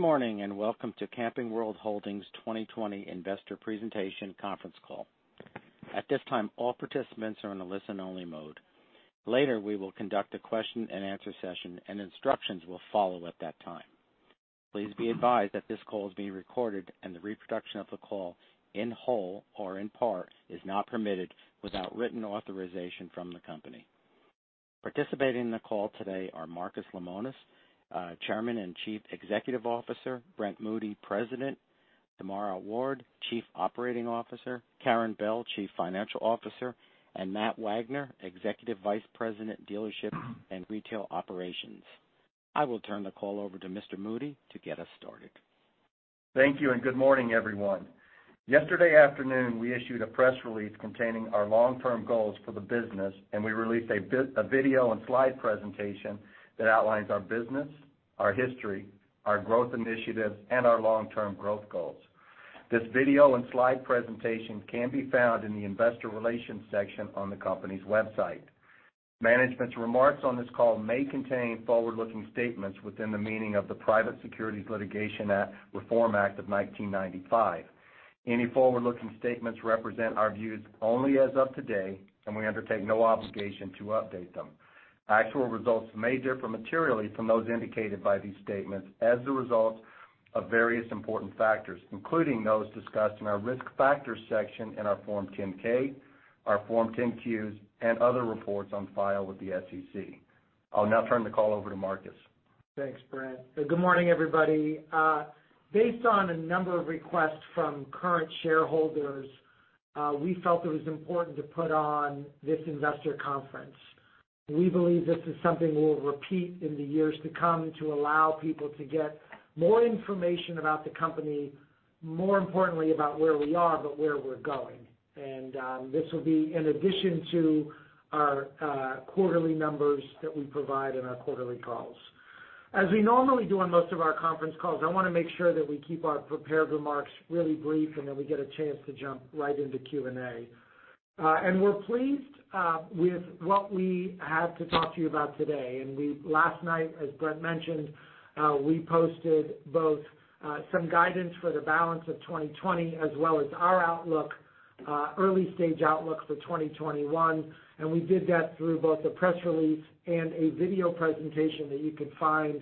Good morning and welcome to Camping World Holdings' 2020 investor presentation conference call. At this time, all participants are in a listen-only mode. Later, we will conduct a question-and-answer session, and instructions will follow at that time. Please be advised that this call is being recorded, and the reproduction of the call in whole or in part is not permitted without written authorization from the company. Participating in the call today are Marcus Lemonis, Chairman and Chief Executive Officer, Brent Moody, President, Tamara Ward, Chief Operating Officer, Karin Bell, Chief Financial Officer, and Matt Wagner, Executive Vice President, Dealership and Retail Operations. I will turn the call over to Mr. Moody to get us started. Thank you and good morning, everyone. Yesterday afternoon, we issued a press release containing our long-term goals for the business, and we released a video and slide presentation that outlines our business, our history, our growth initiatives, and our long-term growth goals. This video and slide presentation can be found in the Investor Relations section on the company's website. Management's remarks on this call may contain forward-looking statements within the meaning of the Private Securities Litigation Reform Act of 1995. Any forward-looking statements represent our views only as of today, and we undertake no obligation to update them. Actual results may differ materially from those indicated by these statements as the result of various important factors, including those discussed in our risk factors section in our Form 10-K, our Form 10-Qs, and other reports on file with the SEC. I'll now turn the call over to Marcus. Thanks, Brent. Good morning, everybody. Based on a number of requests from current shareholders, we felt it was important to put on this investor conference. We believe this is something we'll repeat in the years to come to allow people to get more information about the company, more importantly about where we are, but where we're going. And this will be in addition to our quarterly numbers that we provide in our quarterly calls. As we normally do on most of our conference calls, I want to make sure that we keep our prepared remarks really brief, and then we get a chance to jump right into Q&A. And we're pleased with what we have to talk to you about today. And last night, as Brent mentioned, we posted both some guidance for the balance of 2020 as well as our outlook, early-stage outlook for 2021. And we did that through both a press release and a video presentation that you can find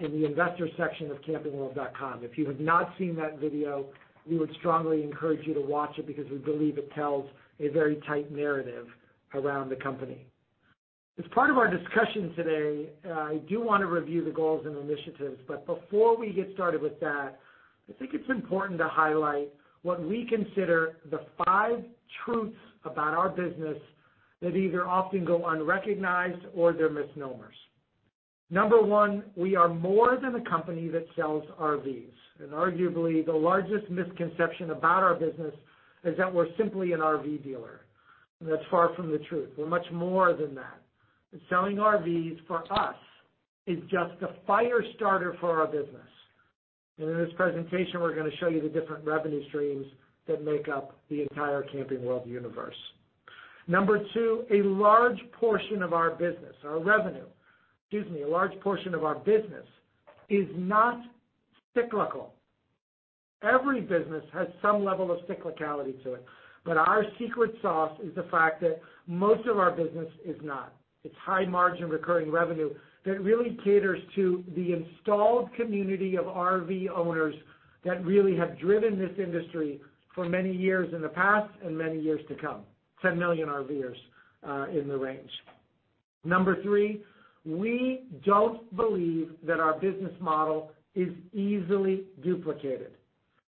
in the investor section of campingworld.com. If you have not seen that video, we would strongly encourage you to watch it because we believe it tells a very tight narrative around the company. As part of our discussion today, I do want to review the goals and initiatives, but before we get started with that, I think it's important to highlight what we consider the five truths about our business that either often go unrecognized or they're misnomers. Number one, we are more than a company that sells RVs. And arguably, the largest misconception about our business is that we're simply an RV dealer. That's far from the truth. We're much more than that. Selling RVs, for us, is just the fire starter for our business. And in this presentation, we're going to show you the different revenue streams that make up the entire Camping World universe. Number two, a large portion of our business, our revenue, excuse me, a large portion of our business is not cyclical. Every business has some level of cyclicality to it, but our secret sauce is the fact that most of our business is not. It's high-margin recurring revenue that really caters to the installed community of RV owners that really have driven this industry for many years in the past and many years to come, 10 million RVers in the range. Number three, we don't believe that our business model is easily duplicated.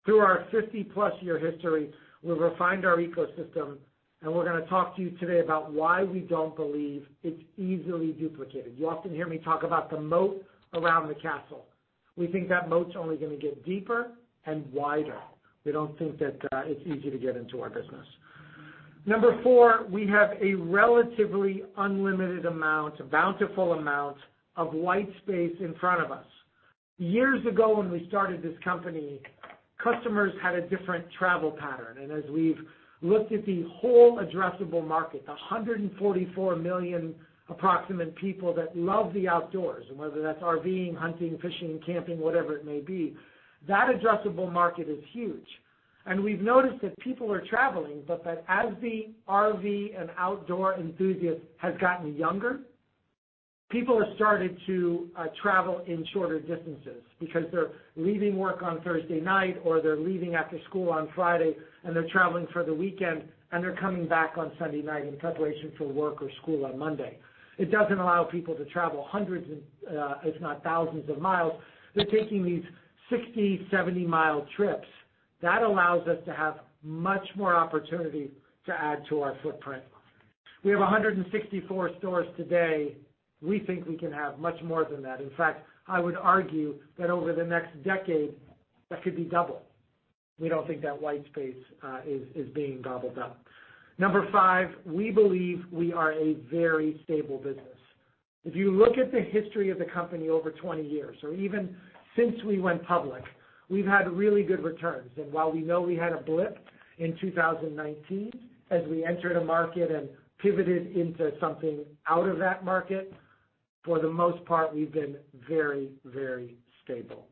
Through our 50-plus year history, we've refined our ecosystem, and we're going to talk to you today about why we don't believe it's easily duplicated. You often hear me talk about the moat around the castle. We think that moat's only going to get deeper and wider. We don't think that it's easy to get into our business. Number four, we have a relatively unlimited amount, a bountiful amount of white space in front of us. Years ago, when we started this company, customers had a different travel pattern, and as we've looked at the whole addressable market, the 144 million approximate people that love the outdoors, whether that's RVing, hunting, fishing, camping, whatever it may be, that addressable market is huge. And we've noticed that people are traveling, but that as the RV and outdoor enthusiast has gotten younger, people have started to travel in shorter distances because they're leaving work on Thursday night or they're leaving after school on Friday, and they're traveling for the weekend, and they're coming back on Sunday night in preparation for work or school on Monday. It doesn't allow people to travel hundreds, if not thousands, of miles. They're taking these 60 mi-70 mi trips. That allows us to have much more opportunity to add to our footprint. We have 164 stores today. We think we can have much more than that. In fact, I would argue that over the next decade, that could be doubled. We don't think that white space is being gobbled up. Number five, we believe we are a very stable business. If you look at the history of the company over 20 years, or even since we went public, we've had really good returns. And while we know we had a blip in 2019 as we entered a market and pivoted into something out of that market, for the most part, we've been very, very stable.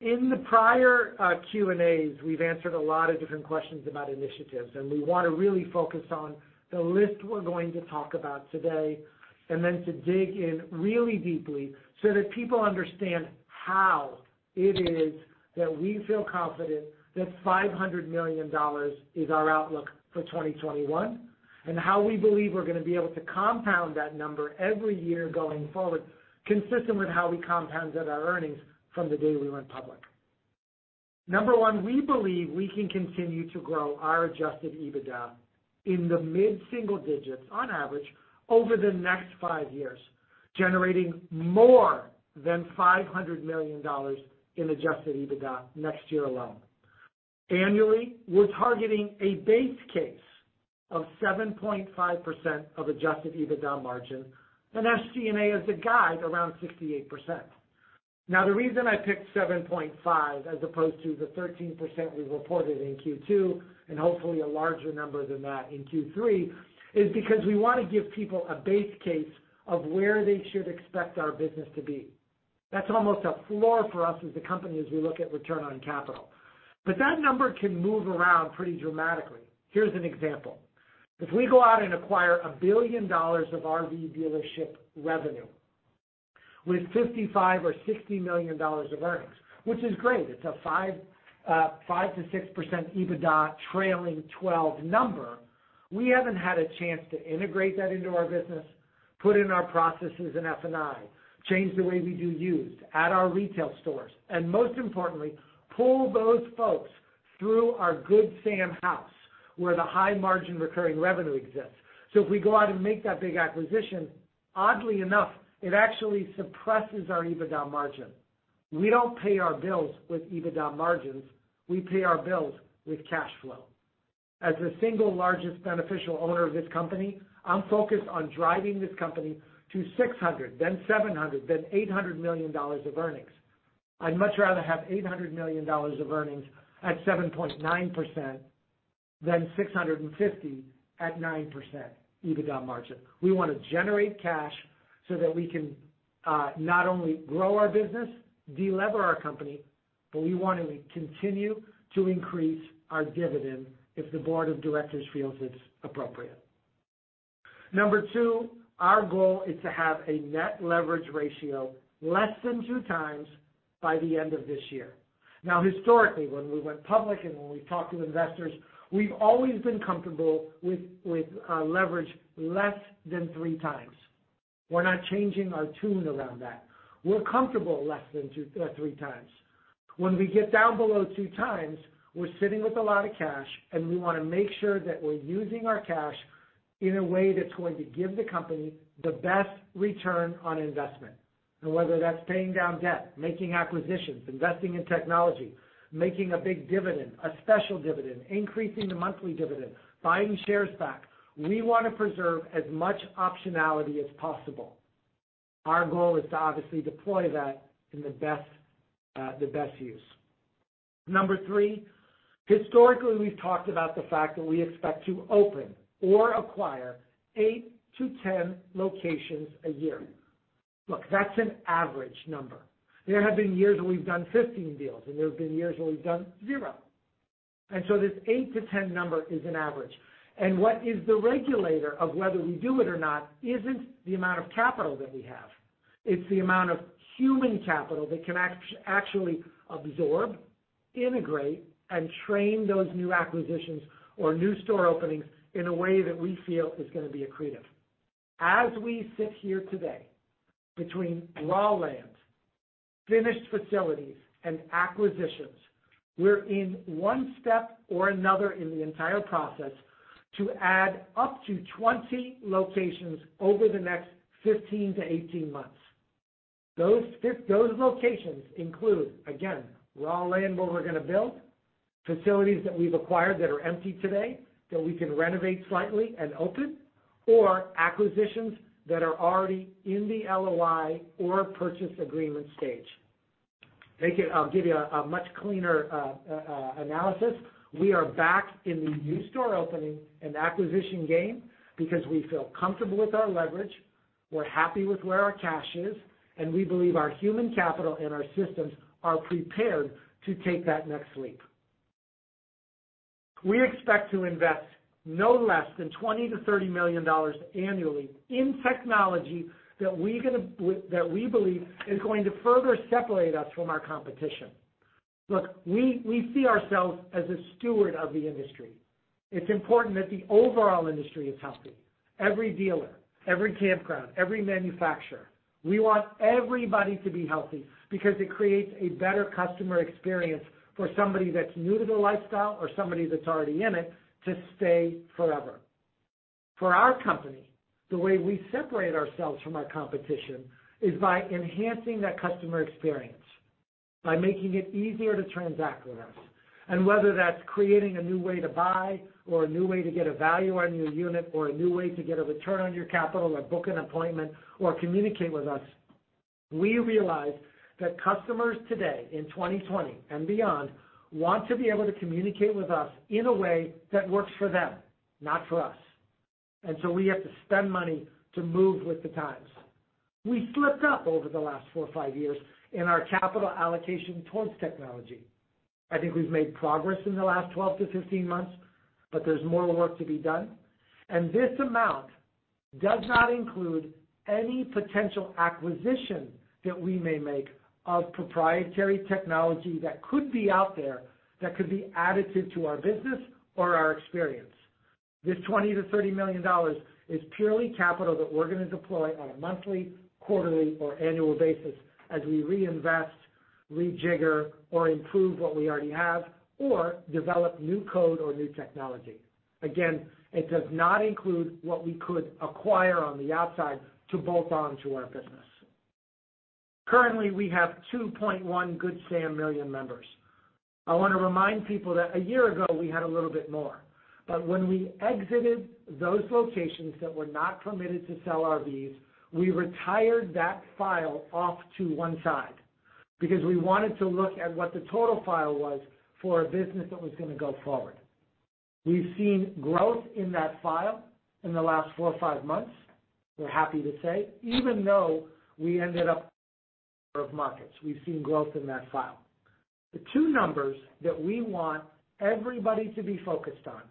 In the prior Q&As, we've answered a lot of different questions about initiatives, and we want to really focus on the list we're going to talk about today and then to dig in really deeply so that people understand how it is that we feel confident that $500 million is our outlook for 2021 and how we believe we're going to be able to compound that number every year going forward, consistent with how we compounded our earnings from the day we went public. Number one, we believe we can continue to grow our adjusted EBITDA in the mid-single digits on average over the next five years, generating more than $500 million in adjusted EBITDA next year alone. Annually, we're targeting a base case of 7.5% of adjusted EBITDA margin and SG&A as a guide around 68%. Now, the reason I picked 7.5% as opposed to the 13% we reported in Q2 and hopefully a larger number than that in Q3 is because we want to give people a base case of where they should expect our business to be. That's almost a floor for us as a company as we look at return on capital. But that number can move around pretty dramatically. Here's an example. If we go out and acquire $1 billion of RV dealership revenue with $55 million or $60 million of earnings, which is great, it's a 5%-6% EBITDA trailing 12 number, we haven't had a chance to integrate that into our business, put in our processes in F&I, change the way we do use, add our retail stores, and most importantly, pull those folks through our Good Sam house where the high-margin recurring revenue exists. If we go out and make that big acquisition, oddly enough, it actually suppresses our EBITDA margin. We don't pay our bills with EBITDA margins. We pay our bills with cash flow. As the single largest beneficial owner of this company, I'm focused on driving this company to $600 million, then $700 million, then $800 million of earnings. I'd much rather have $800 million of earnings at 7.9% than $650 million at 9% EBITDA margin. We want to generate cash so that we can not only grow our business, deleverage our company, but we want to continue to increase our dividend if the board of directors feels it's appropriate. Number two, our goal is to have a net leverage ratio less than two times by the end of this year. Now, historically, when we went public and when we talked to investors, we've always been comfortable with leverage less than three times. We're not changing our tune around that. We're comfortable less than three times. When we get down below two times, we're sitting with a lot of cash, and we want to make sure that we're using our cash in a way that's going to give the company the best return on investment. And whether that's paying down debt, making acquisitions, investing in technology, making a big dividend, a special dividend, increasing the monthly dividend, buying shares back, we want to preserve as much optionality as possible. Our goal is to obviously deploy that in the best use. Number three, historically, we've talked about the fact that we expect to open or acquire 8 to 10 locations a year. Look, that's an average number. There have been years where we've done 15 deals, and there have been years where we've done zero. And so this 8-10 number is an average. And what is the regulator of whether we do it or not isn't the amount of capital that we have. It's the amount of human capital that can actually absorb, integrate, and train those new acquisitions or new store openings in a way that we feel is going to be accretive. As we sit here today between raw land, finished facilities, and acquisitions, we're in one step or another in the entire process to add up to 20 locations over the next 15-18 months. Those locations include, again, raw land where we're going to build, facilities that we've acquired that are empty today that we can renovate slightly and open, or acquisitions that are already in the LOI or purchase agreement stage. I'll give you a much cleaner analysis. We are back in the new store opening and acquisition game because we feel comfortable with our leverage, we're happy with where our cash is, and we believe our human capital and our systems are prepared to take that next leap. We expect to invest no less than $20 million-$30 million annually in technology that we believe is going to further separate us from our competition. Look, we see ourselves as a steward of the industry. It's important that the overall industry is healthy. Every dealer, every campground, every manufacturer. We want everybody to be healthy because it creates a better customer experience for somebody that's new to the lifestyle or somebody that's already in it to stay forever. For our company, the way we separate ourselves from our competition is by enhancing that customer experience, by making it easier to transact with us. And whether that's creating a new way to buy or a new way to get a value on your unit or a new way to get a return on your capital or book an appointment or communicate with us, we realize that customers today in 2020 and beyond want to be able to communicate with us in a way that works for them, not for us. And so we have to spend money to move with the times. We slipped up over the last four or five years in our capital allocation towards technology. I think we've made progress in the last 12-15 months, but there's more work to be done. And this amount does not include any potential acquisition that we may make of proprietary technology that could be out there that could be additive to our business or our experience. This $20 million -$30 million is purely capital that we're going to deploy on a monthly, quarterly, or annual basis as we reinvest, rejigger, or improve what we already have or develop new code or new technology. Again, it does not include what we could acquire on the outside to bolt on to our business. Currently, we have 2.1 million Good Sam members. I want to remind people that a year ago we had a little bit more. But when we exited those locations that were not permitted to sell RVs, we retired that file off to one side because we wanted to look at what the total file was for a business that was going to go forward. We've seen growth in that file in the last four or five months, we're happy to say, even though we ended up out of markets. We've seen growth in that file. The two numbers that we want everybody to be focused on,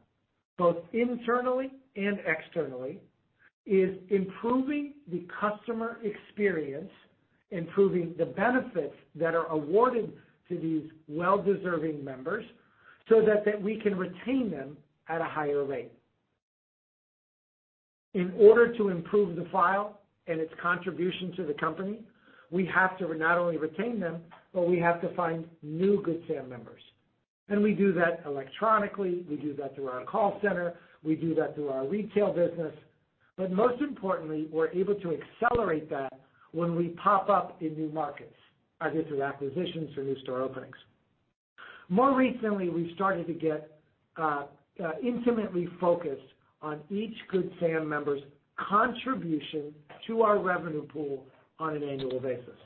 both internally and externally, is improving the customer experience, improving the benefits that are awarded to these well-deserving members so that we can retain them at a higher rate. In order to improve the file and its contribution to the company, we have to not only retain them, but we have to find new Good Sam members. And we do that electronically. We do that through our call center. We do that through our retail business. But most importantly, we're able to accelerate that when we pop up in new markets, either through acquisitions or new store openings. More recently, we've started to get intimately focused on each Good Sam member's contribution to our revenue pool on an annual basis.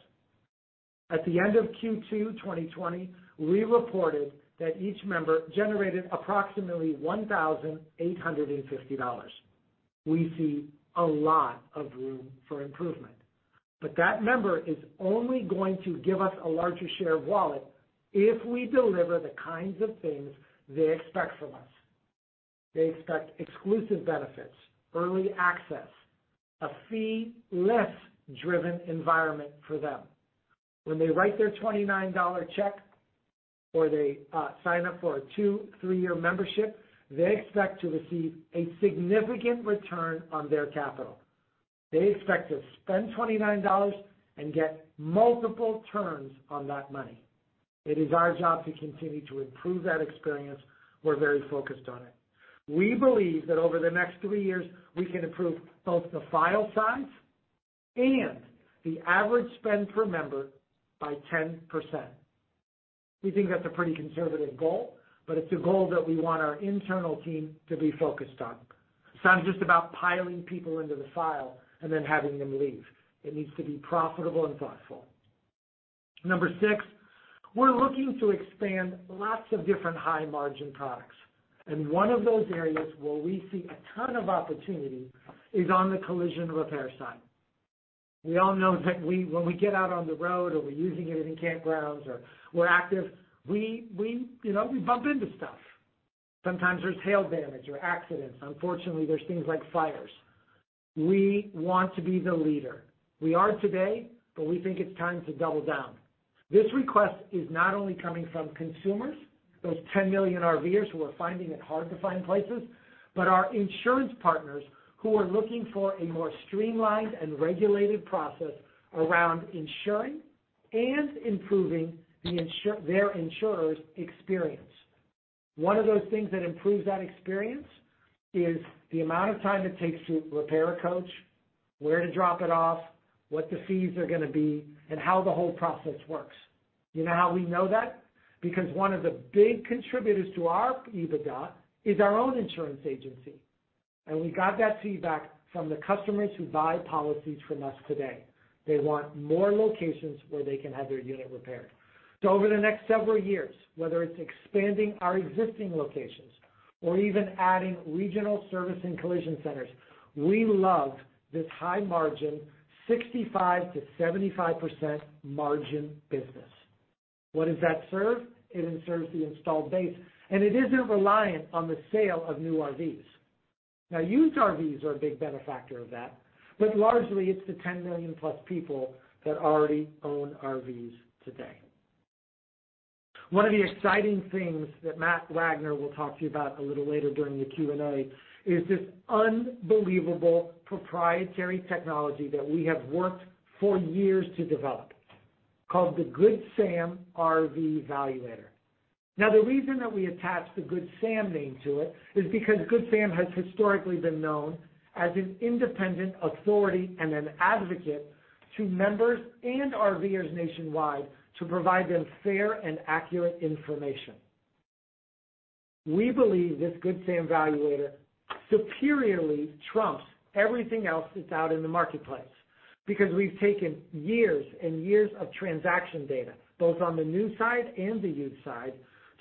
At the end of Q2 2020, we reported that each member generated approximately $1,850. We see a lot of room for improvement. But that member is only going to give us a larger share of wallet if we deliver the kinds of things they expect from us. They expect exclusive benefits, early access, a fee-less driven environment for them. When they write their $29 check or they sign up for a two- or three-year membership, they expect to receive a significant return on their capital. They expect to spend $29 and get multiple turns on that money. It is our job to continue to improve that experience. We're very focused on it. We believe that over the next three years, we can improve both the file size and the average spend per member by 10%. We think that's a pretty conservative goal, but it's a goal that we want our internal team to be focused on. It's not just about piling people into the file and then having them leave. It needs to be profitable and thoughtful. Number six, we're looking to expand lots of different high-margin products, and one of those areas where we see a ton of opportunity is on the collision repair side. We all know that when we get out on the road or we're using it in campgrounds or we're active, we bump into stuff. Sometimes there's hail damage or accidents. Unfortunately, there's things like fires. We want to be the leader. We are today, but we think it's time to double down. This request is not only coming from consumers, those 10 million RVers who are finding it hard to find places, but our insurance partners who are looking for a more streamlined and regulated process around insuring and improving their insurers' experience. One of those things that improves that experience is the amount of time it takes to repair a coach, where to drop it off, what the fees are going to be, and how the whole process works. You know how we know that? Because one of the big contributors to our EBITDA is our own insurance agency. And we got that feedback from the customers who buy policies from us today. They want more locations where they can have their unit repaired. So over the next several years, whether it's expanding our existing locations or even adding regional service and collision centers, we love this high-margin, 65%-75% margin business. What does that serve? It ensures the installed base, and it isn't reliant on the sale of new RVs. Now, used RVs are a big benefactor of that, but largely it's the 10 million plus people that already own RVs today. One of the exciting things that Matt Wagner will talk to you about a little later during the Q&A is this unbelievable proprietary technology that we have worked for years to develop called the Good Sam RV Valuator. Now, the reason that we attach the Good Sam name to it is because Good Sam has historically been known as an independent authority and an advocate to members and RVers nationwide to provide them fair and accurate information. We believe this Good Sam Valuator superiorly trumps everything else that's out in the marketplace because we've taken years and years of transaction data, both on the new side and the used side,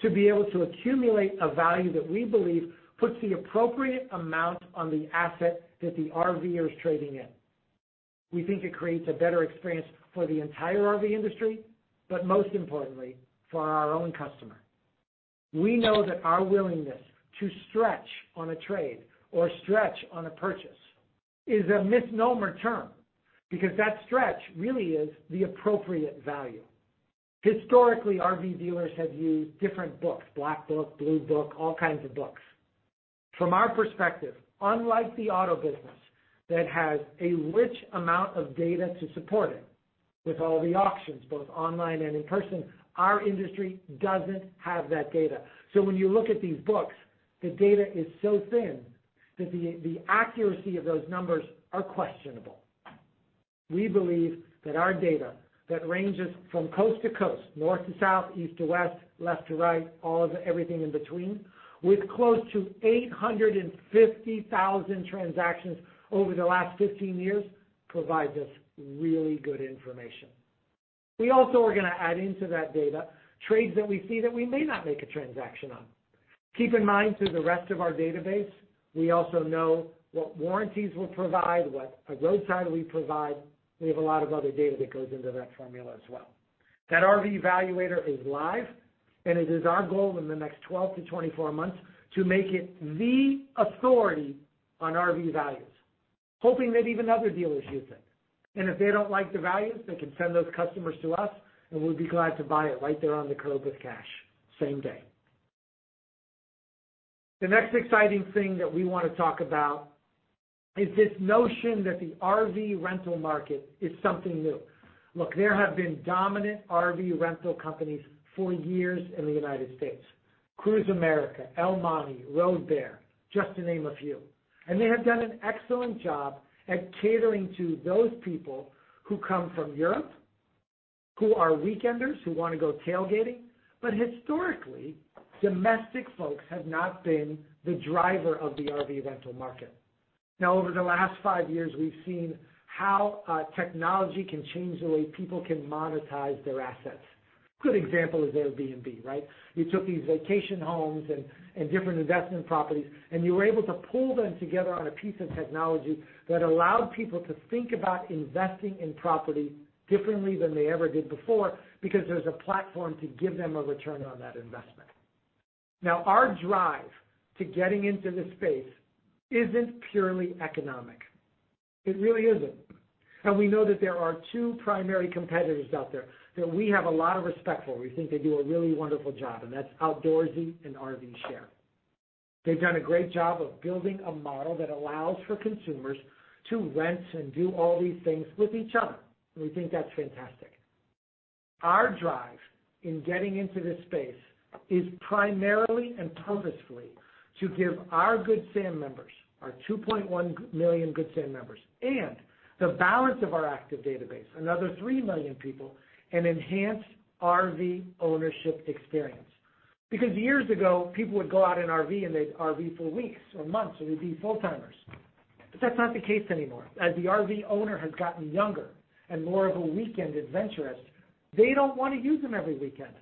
to be able to accumulate a value that we believe puts the appropriate amount on the asset that the RVer is trading in. We think it creates a better experience for the entire RV industry, but most importantly, for our own customer. We know that our willingness to stretch on a trade or stretch on a purchase is a misnomer term because that stretch really is the appropriate value. Historically, RV dealers have used different books, Black Book, Blue Book, all kinds of books. From our perspective, unlike the auto business that has a rich amount of data to support it with all the auctions, both online and in person, our industry doesn't have that data, so when you look at these books, the data is so thin that the accuracy of those numbers is questionable. We believe that our data that ranges from coast to coast, north to south, east to west, left to right, all of everything in between, with close to 850,000 transactions over the last 15 years, provides us really good information. We also are going to add into that data trades that we see that we may not make a transaction on. Keep in mind, through the rest of our database, we also know what warranties we'll provide, what roadside we provide. We have a lot of other data that goes into that formula as well. That RV Valuator is live, and it is our goal in the next 12 to 24 months to make it the authority on RV values, hoping that even other dealers use it, and if they don't like the values, they can send those customers to us, and we'll be glad to buy it right there on the curb with cash same day. The next exciting thing that we want to talk about is this notion that the RV rental market is something new. Look, there have been dominant RV rental companies for years in the United States: Cruise America, El Monte, Road Bear, just to name a few, and they have done an excellent job at catering to those people who come from Europe, who are weekenders, who want to go tailgating. But historically, domestic folks have not been the driver of the RV rental market. Now, over the last five years, we've seen how technology can change the way people can monetize their assets. Good example is Airbnb, right? You took these vacation homes and different investment properties, and you were able to pull them together on a piece of technology that allowed people to think about investing in property differently than they ever did before because there's a platform to give them a return on that investment. Now, our drive to getting into this space isn't purely economic. It really isn't. And we know that there are two primary competitors out there that we have a lot of respect for. We think they do a really wonderful job, and that's Outdoorsy and RVshare. They've done a great job of building a model that allows for consumers to rent and do all these things with each other. We think that's fantastic. Our drive in getting into this space is primarily and purposefully to give our Good Sam members, our 2.1 million Good Sam members, and the balance of our active database, another 3 million people, an enhanced RV ownership experience. Because years ago, people would go out in RV, and they'd RV for weeks or months, and they'd be full-timers. But that's not the case anymore. As the RV owner has gotten younger and more of a weekend adventurist, they don't want to use them every weekend.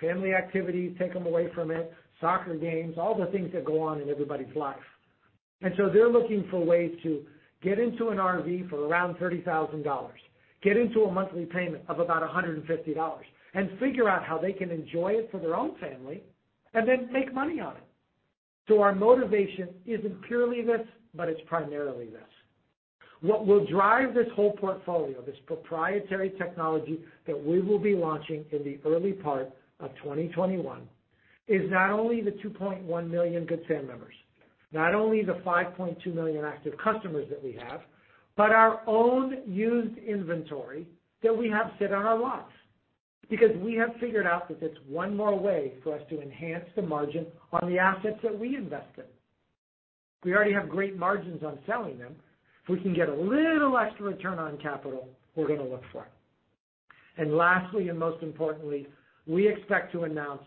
Family activities take them away from it, soccer games, all the things that go on in everybody's life. And so they're looking for ways to get into an RV for around $30,000, get into a monthly payment of about $150, and figure out how they can enjoy it for their own family and then make money on it. So our motivation isn't purely this, but it's primarily this. What will drive this whole portfolio, this proprietary technology that we will be launching in the early part of 2021, is not only the 2.1 million Good Sam members, not only the 5.2 million active customers that we have, but our own used inventory that we have sit on our lots. Because we have figured out that it's one more way for us to enhance the margin on the assets that we invest in. We already have great margins on selling them. If we can get a little extra return on capital, we're going to look for it. And lastly, and most importantly, we expect to announce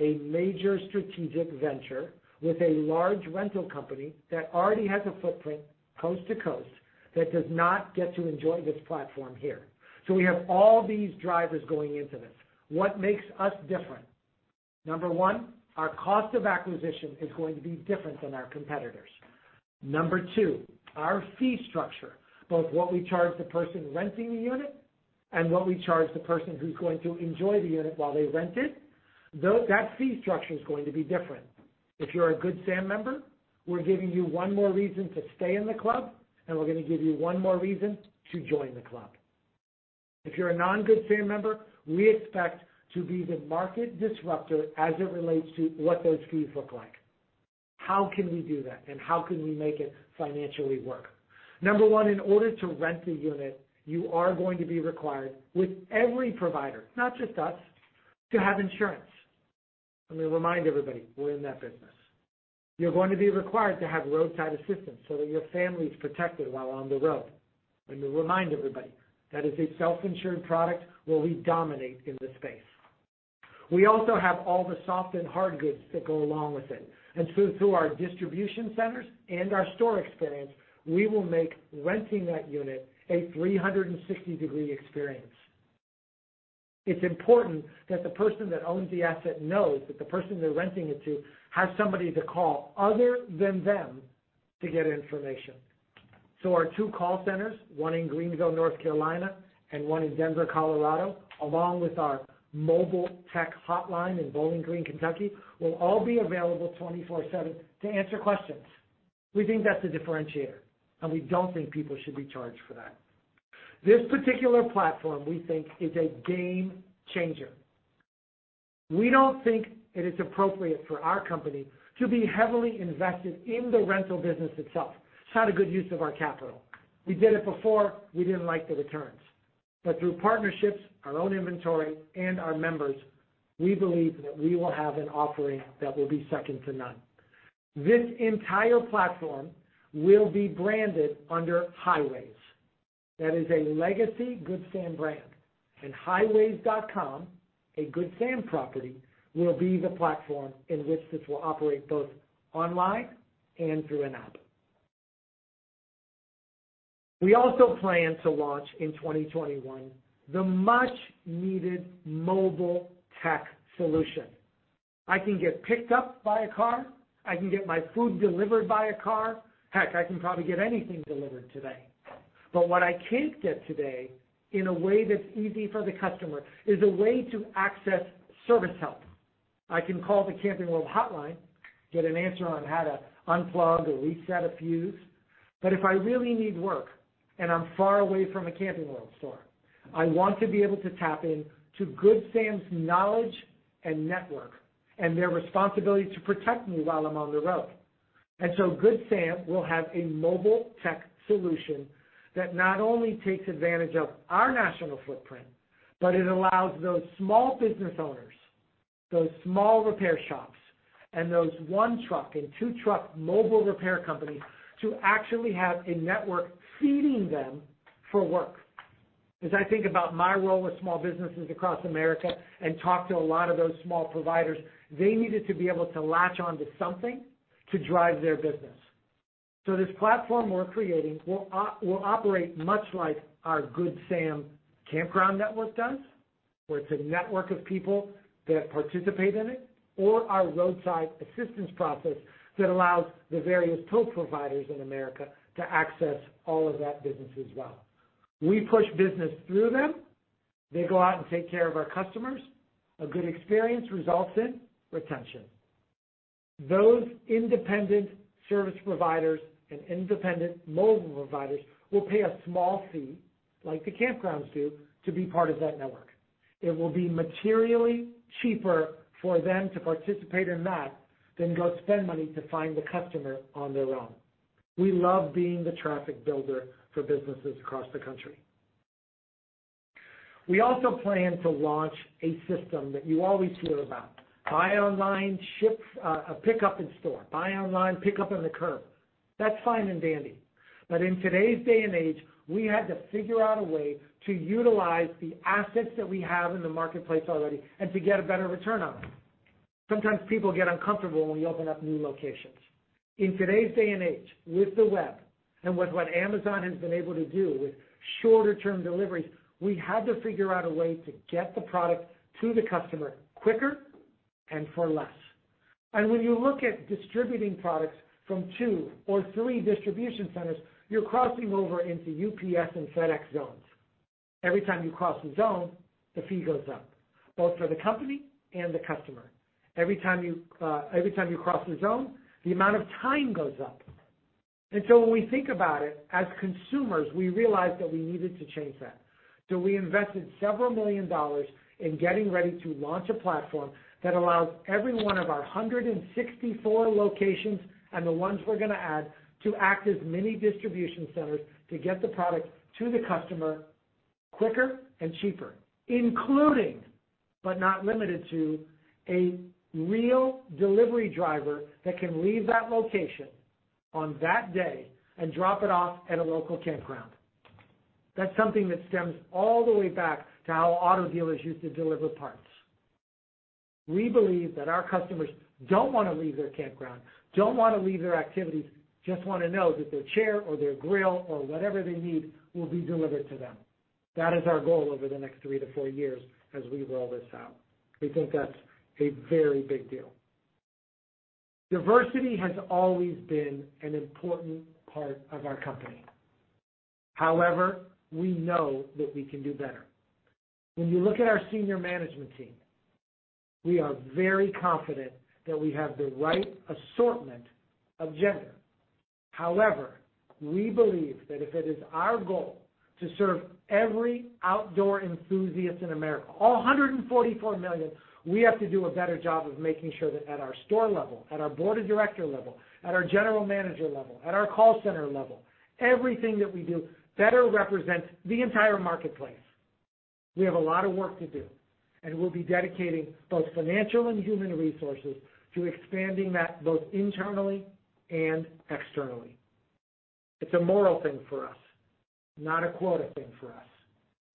a major strategic venture with a large rental company that already has a footprint coast to coast that does not get to enjoy this platform here. So we have all these drivers going into this. What makes us different? Number one, our cost of acquisition is going to be different than our competitors. Number two, our fee structure, both what we charge the person renting the unit and what we charge the person who's going to enjoy the unit while they rent it, that fee structure is going to be different. If you're a Good Sam member, we're giving you one more reason to stay in the club, and we're going to give you one more reason to join the club. If you're a non-Good Sam member, we expect to be the market disruptor as it relates to what those fees look like. How can we do that, and how can we make it financially work? Number one, in order to rent the unit, you are going to be required with every provider, not just us, to have insurance. Let me remind everybody we're in that business. You're going to be required to have roadside assistance so that your family is protected while on the road. Let me remind everybody that is a self-insured product where we dominate in this space. We also have all the soft and hard goods that go along with it. And so through our distribution centers and our store experience, we will make renting that unit a 360-degree experience. It's important that the person that owns the asset knows that the person they're renting it to has somebody to call other than them to get information. So our two call centers, one in Greenville, North Carolina, and one in Denver, Colorado, along with our mobile tech hotline in Bowling Green, Kentucky, will all be available 24/7 to answer questions. We think that's a differentiator, and we don't think people should be charged for that. This particular platform we think is a game changer. We don't think it is appropriate for our company to be heavily invested in the rental business itself. It's not a good use of our capital. We did it before. We didn't like the returns. But through partnerships, our own inventory, and our members, we believe that we will have an offering that will be second to none. This entire platform will be branded under Highways. That is a legacy Good Sam brand, and highways.com, a Good Sam property, will be the platform in which this will operate both online and through an app. We also plan to launch in 2021 the much-needed mobile tech solution. I can get picked up by a car. I can get my food delivered by a car. Heck, I can probably get anything delivered today. But what I can't get today in a way that's easy for the customer is a way to access service help. I can call the Camping World hotline, get an answer on how to unplug or reset a fuse. But if I really need work and I'm far away from a Camping World store, I want to be able to tap into Good Sam's knowledge and network and their responsibility to protect me while I'm on the road. Good Sam will have a mobile tech solution that not only takes advantage of our national footprint, but it allows those small business owners, those small repair shops, and those one-truck and two-truck mobile repair companies to actually have a network feeding them for work. As I think about my role with small businesses across America and talk to a lot of those small providers, they needed to be able to latch on to something to drive their business. This platform we're creating will operate much like our Good Sam Campground Network does, where it's a network of people that participate in it, or our roadside assistance process that allows the various tow providers in America to access all of that business as well. We push business through them. They go out and take care of our customers. A good experience results in retention. Those independent service providers and independent mobile providers will pay a small fee, like the campgrounds do, to be part of that network. It will be materially cheaper for them to participate in that than go spend money to find the customer on their own. We love being the traffic builder for businesses across the country. We also plan to launch a system that you always hear about: buy online, pick up in store, buy online, pick up on the curb. That's fine and dandy. But in today's day and age, we had to figure out a way to utilize the assets that we have in the marketplace already and to get a better return on it. Sometimes people get uncomfortable when we open up new locations. In today's day and age, with the web and with what Amazon has been able to do with shorter-term deliveries, we had to figure out a way to get the product to the customer quicker and for less, and when you look at distributing products from two or three distribution centers, you're crossing over into UPS and FedEx zones. Every time you cross a zone, the fee goes up, both for the company and the customer. Every time you cross a zone, the amount of time goes up, and so when we think about it, as consumers, we realized that we needed to change that. So we invested several million dollars in getting ready to launch a platform that allows every one of our 164 locations and the ones we're going to add to act as mini distribution centers to get the product to the customer quicker and cheaper, including, but not limited to, a real delivery driver that can leave that location on that day and drop it off at a local campground. That's something that stems all the way back to how auto dealers used to deliver parts. We believe that our customers don't want to leave their campground, don't want to leave their activities, just want to know that their chair or their grill or whatever they need will be delivered to them. That is our goal over the next three to four years as we roll this out. We think that's a very big deal. Diversity has always been an important part of our company. However, we know that we can do better. When you look at our senior management team, we are very confident that we have the right assortment of gender. However, we believe that if it is our goal to serve every outdoor enthusiast in America, all 144 million, we have to do a better job of making sure that at our store level, at our board of director level, at our general manager level, at our call center level, everything that we do better represents the entire marketplace. We have a lot of work to do, and we'll be dedicating both financial and human resources to expanding that both internally and externally. It's a moral thing for us, not a quota thing for us.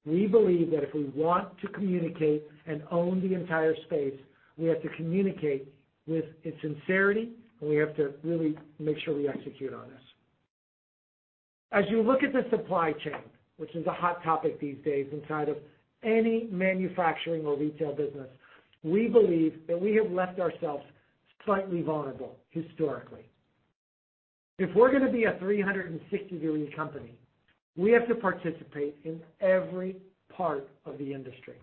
We believe that if we want to communicate and own the entire space, we have to communicate with sincerity, and we have to really make sure we execute on this. As you look at the supply chain, which is a hot topic these days inside of any manufacturing or retail business, we believe that we have left ourselves slightly vulnerable historically. If we're going to be a 360-degree company, we have to participate in every part of the industry.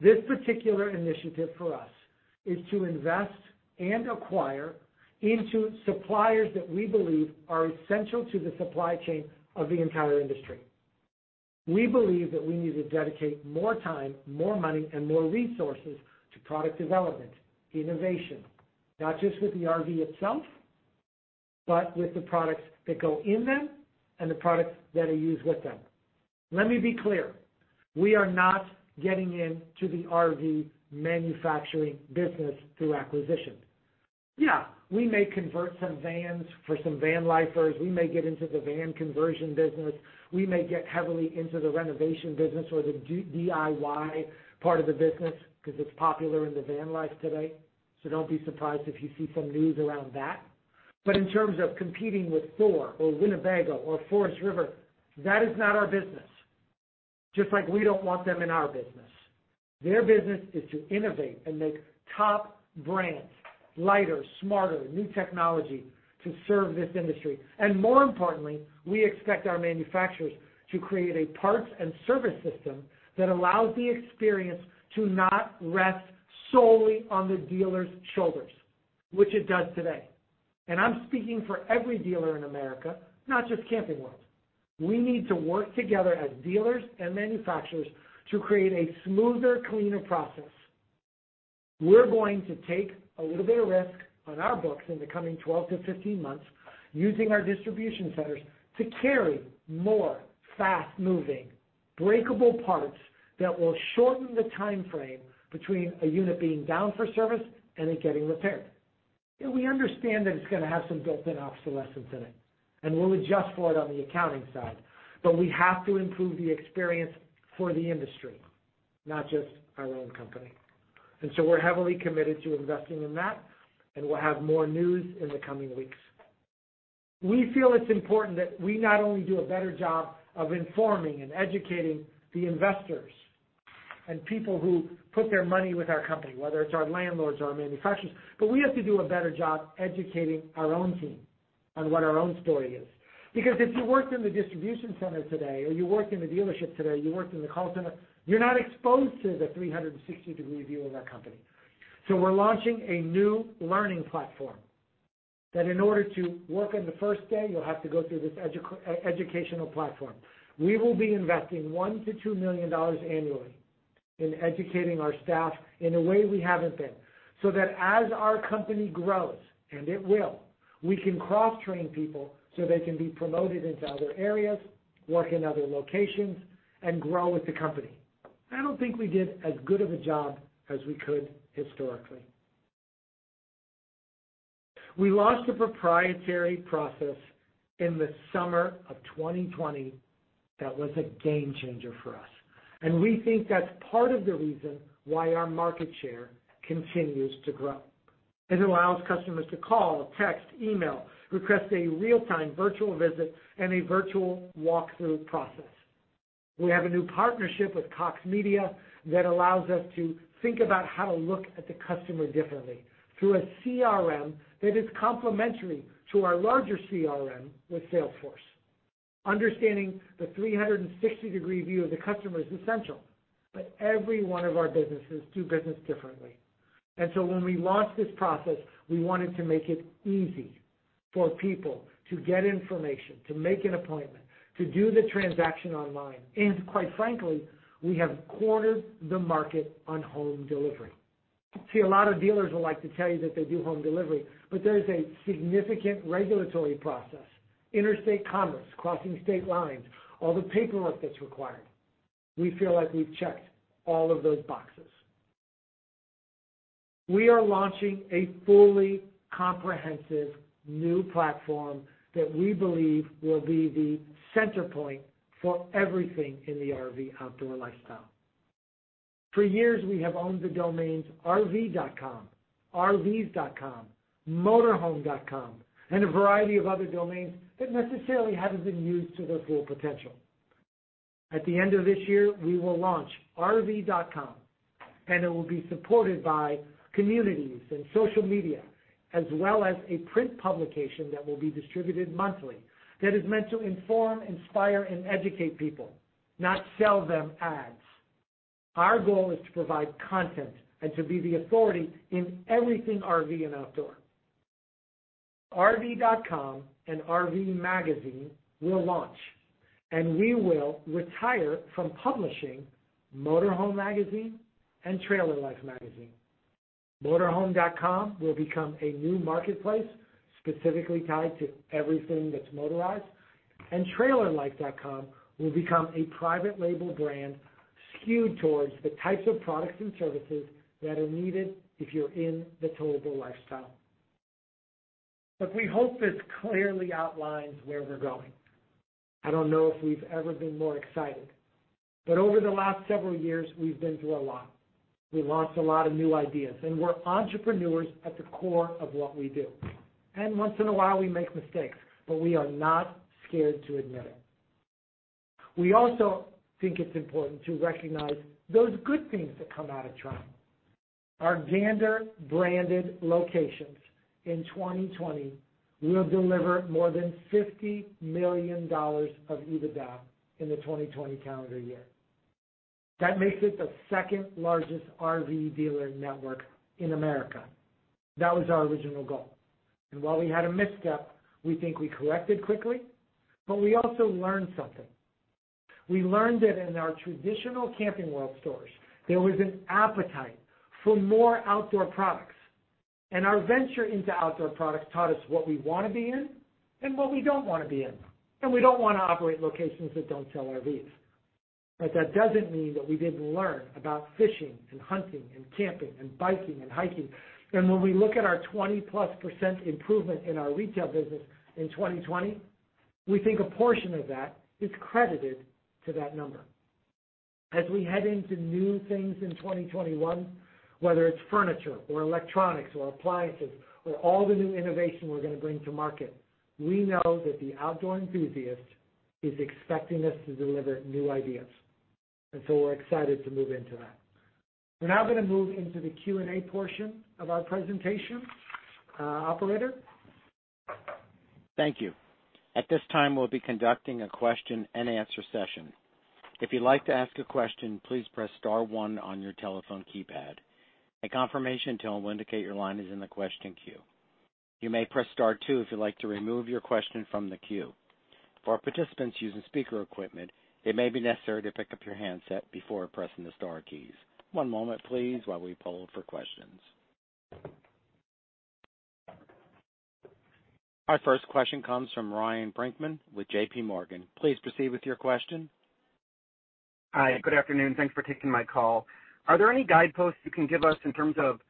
This particular initiative for us is to invest and acquire into suppliers that we believe are essential to the supply chain of the entire industry. We believe that we need to dedicate more time, more money, and more resources to product development, innovation, not just with the RV itself, but with the products that go in them and the products that are used with them. Let me be clear. We are not getting into the RV manufacturing business through acquisition. Yeah, we may convert some vans for some van lifers. We may get into the van conversion business. We may get heavily into the renovation business or the DIY part of the business because it's popular in the van life today. So don't be surprised if you see some news around that. But in terms of competing with Thor or Winnebago or Forest River, that is not our business, just like we don't want them in our business. Their business is to innovate and make top brands, lighter, smarter, new technology to serve this industry. And more importantly, we expect our manufacturers to create a parts and service system that allows the experience to not rest solely on the dealer's shoulders, which it does today. And I'm speaking for every dealer in America, not just Camping World. We need to work together as dealers and manufacturers to create a smoother, cleaner process. We're going to take a little bit of risk on our books in the coming 12-15 months using our distribution centers to carry more fast-moving, breakable parts that will shorten the time frame between a unit being down for service and it getting repaired. And we understand that it's going to have some built-in obsolescence in it, and we'll adjust for it on the accounting side. But we have to improve the experience for the industry, not just our own company. And so we're heavily committed to investing in that, and we'll have more news in the coming weeks. We feel it's important that we not only do a better job of informing and educating the investors and people who put their money with our company, whether it's our landlords or our manufacturers, but we have to do a better job educating our own team on what our own story is. Because if you worked in the distribution center today or you worked in the dealership today, you worked in the call center, you're not exposed to the 360-degree view of our company. So we're launching a new learning platform that in order to work on the first day, you'll have to go through this educational platform. We will be investing $1 million-$2 million annually in educating our staff in a way we haven't been so that as our company grows, and it will, we can cross-train people so they can be promoted into other areas, work in other locations, and grow with the company. I don't think we did as good of a job as we could historically. We lost a proprietary process in the summer of 2020 that was a game changer for us, and we think that's part of the reason why our market share continues to grow. It allows customers to call, text, email, request a real-time virtual visit, and a virtual walkthrough process. We have a new partnership with Cox Media that allows us to think about how to look at the customer differently through a CRM that is complementary to our larger CRM with Salesforce. Understanding the 360-degree view of the customer is essential, but every one of our businesses do business differently. And so when we launched this process, we wanted to make it easy for people to get information, to make an appointment, to do the transaction online. And quite frankly, we have quartered the market on home delivery. See, a lot of dealers would like to tell you that they do home delivery, but there is a significant regulatory process, interstate commerce, crossing state lines, all the paperwork that's required. We feel like we've checked all of those boxes. We are launching a fully comprehensive new platform that we believe will be the center point for everything in the RV outdoor lifestyle. For years, we have owned the domains rv.com, rvs.com, motorhome.com, and a variety of other domains that necessarily haven't been used to their full potential. At the end of this year, we will launch rv.com, and it will be supported by communities and social media, as well as a print publication that will be distributed monthly that is meant to inform, inspire, and educate people, not sell them ads. Our goal is to provide content and to be the authority in everything RV and outdoor. rv.com and RV Magazine will launch, and we will retire from publishing MotorHome magazine and Trailer Life magazine. motorhome.com will become a new marketplace specifically tied to everything that's motorized, and trailerlife.com will become a private label brand skewed towards the types of products and services that are needed if you're in the towable lifestyle. But we hope this clearly outlines where we're going. I don't know if we've ever been more excited, but over the last several years, we've been through a lot. We lost a lot of new ideas, and we're entrepreneurs at the core of what we do. And once in a while, we make mistakes, but we are not scared to admit it. We also think it's important to recognize those good things that come out of trying. Our Gander-branded locations in 2020 will deliver more than $50 million of EBITDA in the 2020 calendar year. That makes it the second largest RV dealer network in America. That was our original goal. And while we had a misstep, we think we corrected quickly, but we also learned something. We learned that in our traditional Camping World stores, there was an appetite for more outdoor products, and our venture into outdoor products taught us what we want to be in and what we don't want to be in. And we don't want to operate locations that don't sell RVs. But that doesn't mean that we didn't learn about fishing and hunting and camping and biking and hiking. And when we look at our 20%+ improvement in our retail business in 2020, we think a portion of that is credited to that number. As we head into new things in 2021, whether it's furniture or electronics or appliances or all the new innovation we're going to bring to market, we know that the outdoor enthusiast is expecting us to deliver new ideas. And so we're excited to move into that. We're now going to move into the Q&A portion of our presentation, Operator. Thank you. At this time, we'll be conducting a question-and-answer session. If you'd like to ask a question, please press Star one on your telephone keypad. A confirmation tone will indicate your line is in the question queue. You may press Star two if you'd like to remove your question from the queue. For our participants using speaker equipment, it may be necessary to pick up your handset before pressing the Star keys. One moment, please, while we poll for questions. Our first question comes from Ryan Brinkman with JPMorgan. Please proceed with your question. Hi. Good afternoon. Thanks for taking my call. Are there any guideposts you can give us in terms of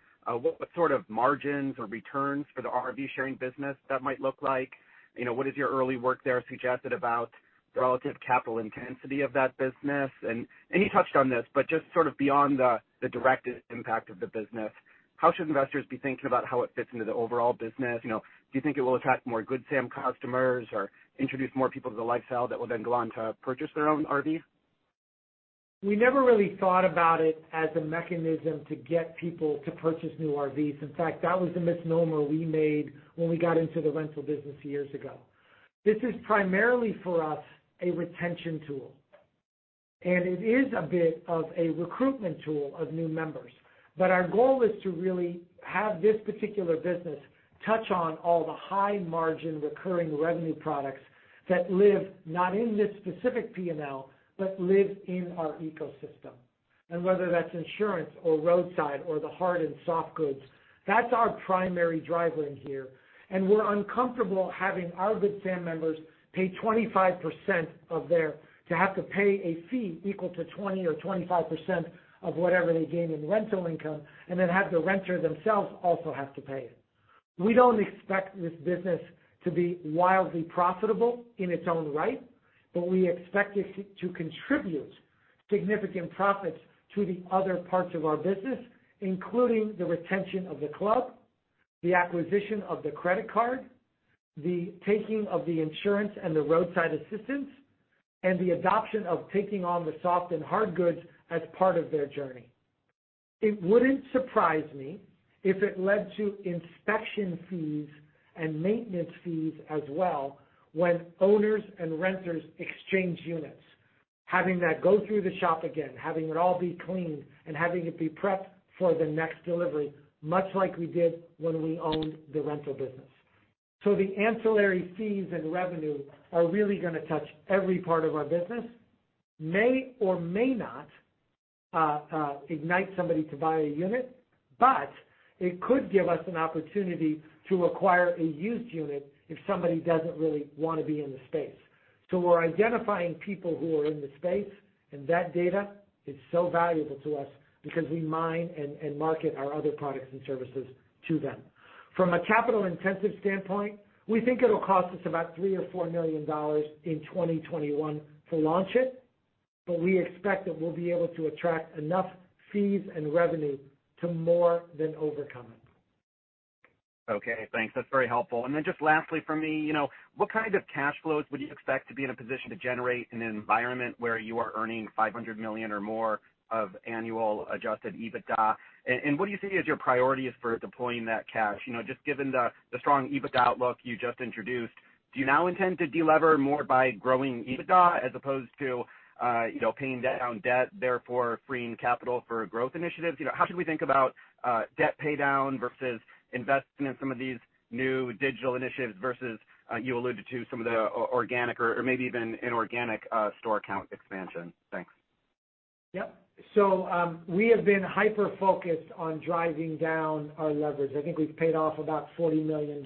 what sort of margins or returns for the RV sharing business that might look like? What does your early work there suggest about the relative capital intensity of that business? And you touched on this, but just sort of beyond the direct impact of the business, how should investors be thinking about how it fits into the overall business? Do you think it will attract more Good Sam customers or introduce more people to the lifestyle that will then go on to purchase their own RV? We never really thought about it as a mechanism to get people to purchase new RVs. In fact, that was a misnomer we made when we got into the rental business years ago. This is primarily for us a retention tool, and it is a bit of a recruitment tool of new members, but our goal is to really have this particular business touch on all the high-margin recurring revenue products that live not in this specific P&L, but live in our ecosystem, and whether that's insurance or roadside or the hard and soft goods, that's our primary driver in here. We're uncomfortable having our Good Sam members pay 25% of their rental income to have to pay a fee equal to 20% or 25% of whatever they gain in rental income and then have the renter themselves also have to pay it. We don't expect this business to be wildly profitable in its own right, but we expect it to contribute significant profits to the other parts of our business, including the retention of the club, the acquisition of the credit card, the taking of the insurance and the roadside assistance, and the adoption of taking on the soft and hard goods as part of their journey. It wouldn't surprise me if it led to inspection fees and maintenance fees as well when owners and renters exchange units, having that go through the shop again, having it all be cleaned, and having it be prepped for the next delivery, much like we did when we owned the rental business. So the ancillary fees and revenue are really going to touch every part of our business, may or may not ignite somebody to buy a unit, but it could give us an opportunity to acquire a used unit if somebody doesn't really want to be in the space. So we're identifying people who are in the space, and that data is so valuable to us because we mine and market our other products and services to them. From a capital-intensive standpoint, we think it'll cost us about $3 million or $4 million in 2021 to launch it, but we expect that we'll be able to attract enough fees and revenue to more than overcome it. Okay. Thanks. That's very helpful. And then just lastly for me, what kind of cash flows would you expect to be in a position to generate in an environment where you are earning $500 million or more of annual Adjusted EBITDA? And what do you see as your priorities for deploying that cash? Just given the strong EBITDA outlook you just introduced, do you now intend to deliver more by growing EBITDA as opposed to paying down debt, therefore freeing capital for growth initiatives? How should we think about debt paydown versus investing in some of these new digital initiatives versus, you alluded to, some of the organic or maybe even inorganic store count expansion? Thanks. Yep. So we have been hyper-focused on driving down our leverage. I think we've paid off about $40 million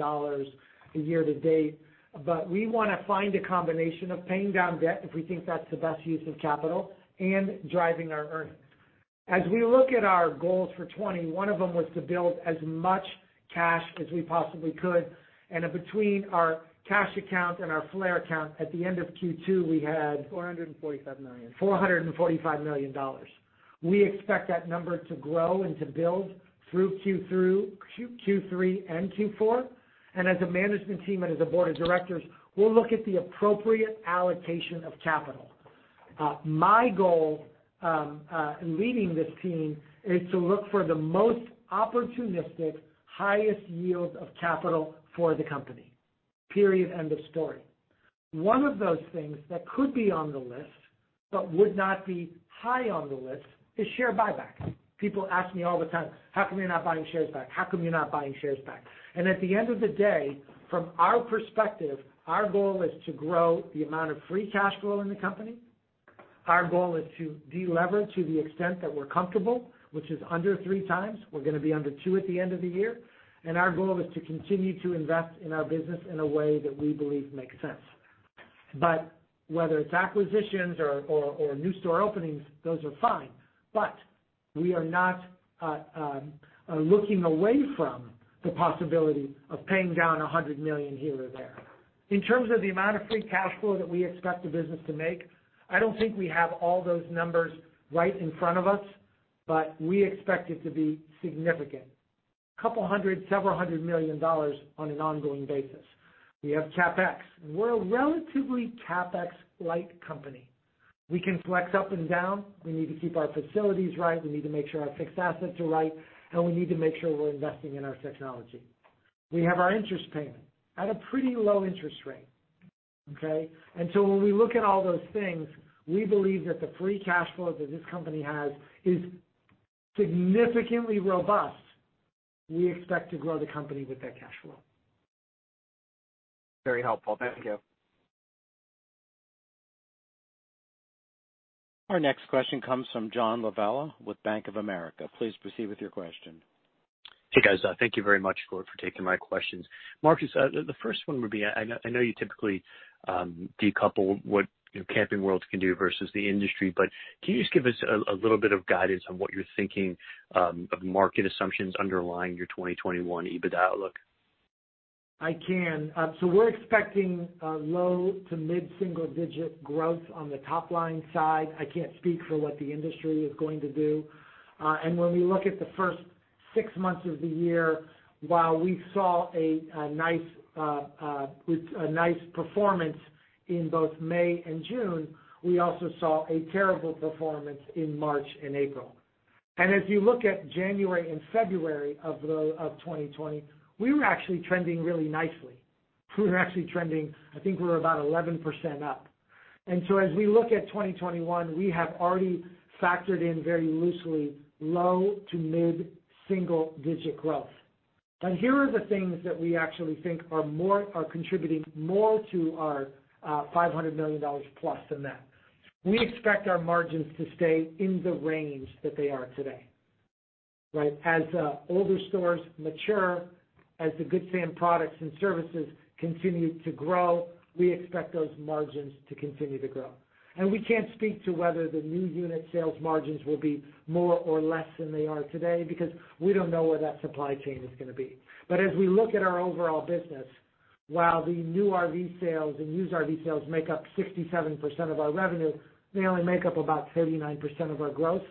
year to date, but we want to find a combination of paying down debt if we think that's the best use of capital and driving our earnings. As we look at our goals for 2020, one of them was to build as much cash as we possibly could. And between our cash account and our floor account, at the end of Q2, we had $445 million. $445 million. We expect that number to grow and to build through Q3 and Q4. And as a management team and as a board of directors, we'll look at the appropriate allocation of capital. My goal in leading this team is to look for the most opportunistic, highest yield of capital for the company. Period. End of story. One of those things that could be on the list but would not be high on the list is share buyback. People ask me all the time, "How come you're not buying shares back? How come you're not buying shares back?" And at the end of the day, from our perspective, our goal is to grow the amount of free cash flow in the company. Our goal is to deleverage to the extent that we're comfortable, which is under three times. We're going to be under two at the end of the year. And our goal is to continue to invest in our business in a way that we believe makes sense. But whether it's acquisitions or new store openings, those are fine. But we are not looking away from the possibility of paying down $100 million here or there. In terms of the amount of free cash flow that we expect the business to make, I don't think we have all those numbers right in front of us, but we expect it to be significant. A couple hundred, several hundred million dollars on an ongoing basis. We have CapEx, and we're a relatively CapEx-light company. We can flex up and down. We need to keep our facilities right. We need to make sure our fixed assets are right, and we need to make sure we're investing in our technology. We have our interest payment at a pretty low interest rate. Okay? And so when we look at all those things, we believe that the free cash flow that this company has is significantly robust. We expect to grow the company with that cash flow. Very helpful. Thank you. Our next question comes from John Lovallo with Bank of America. Please proceed with your question. Hey, guys. Thank you very much, both, for taking my questions. Marcus, the first one would be I know you typically decouple what Camping World can do versus the industry, but can you just give us a little bit of guidance on what you're thinking of market assumptions underlying your 2021 EBITDA outlook? I can. So we're expecting low to mid-single-digit growth on the top-line side. I can't speak for what the industry is going to do. And when we look at the first six months of the year, while we saw a nice performance in both May and June, we also saw a terrible performance in March and April. And as you look at January and February of 2020, we were actually trending really nicely. We were actually trending I think we were about 11% up. And so as we look at 2021, we have already factored in very loosely low to mid-single-digit growth. But here are the things that we actually think are contributing more to our $500 million+ than that. We expect our margins to stay in the range that they are today. Right? As older stores mature, as the Good Sam products and services continue to grow, we expect those margins to continue to grow. And we can't speak to whether the new unit sales margins will be more or less than they are today because we don't know where that supply chain is going to be. But as we look at our overall business, while the new RV sales and used RV sales make up 67% of our revenue, they only make up about 39% of our growth,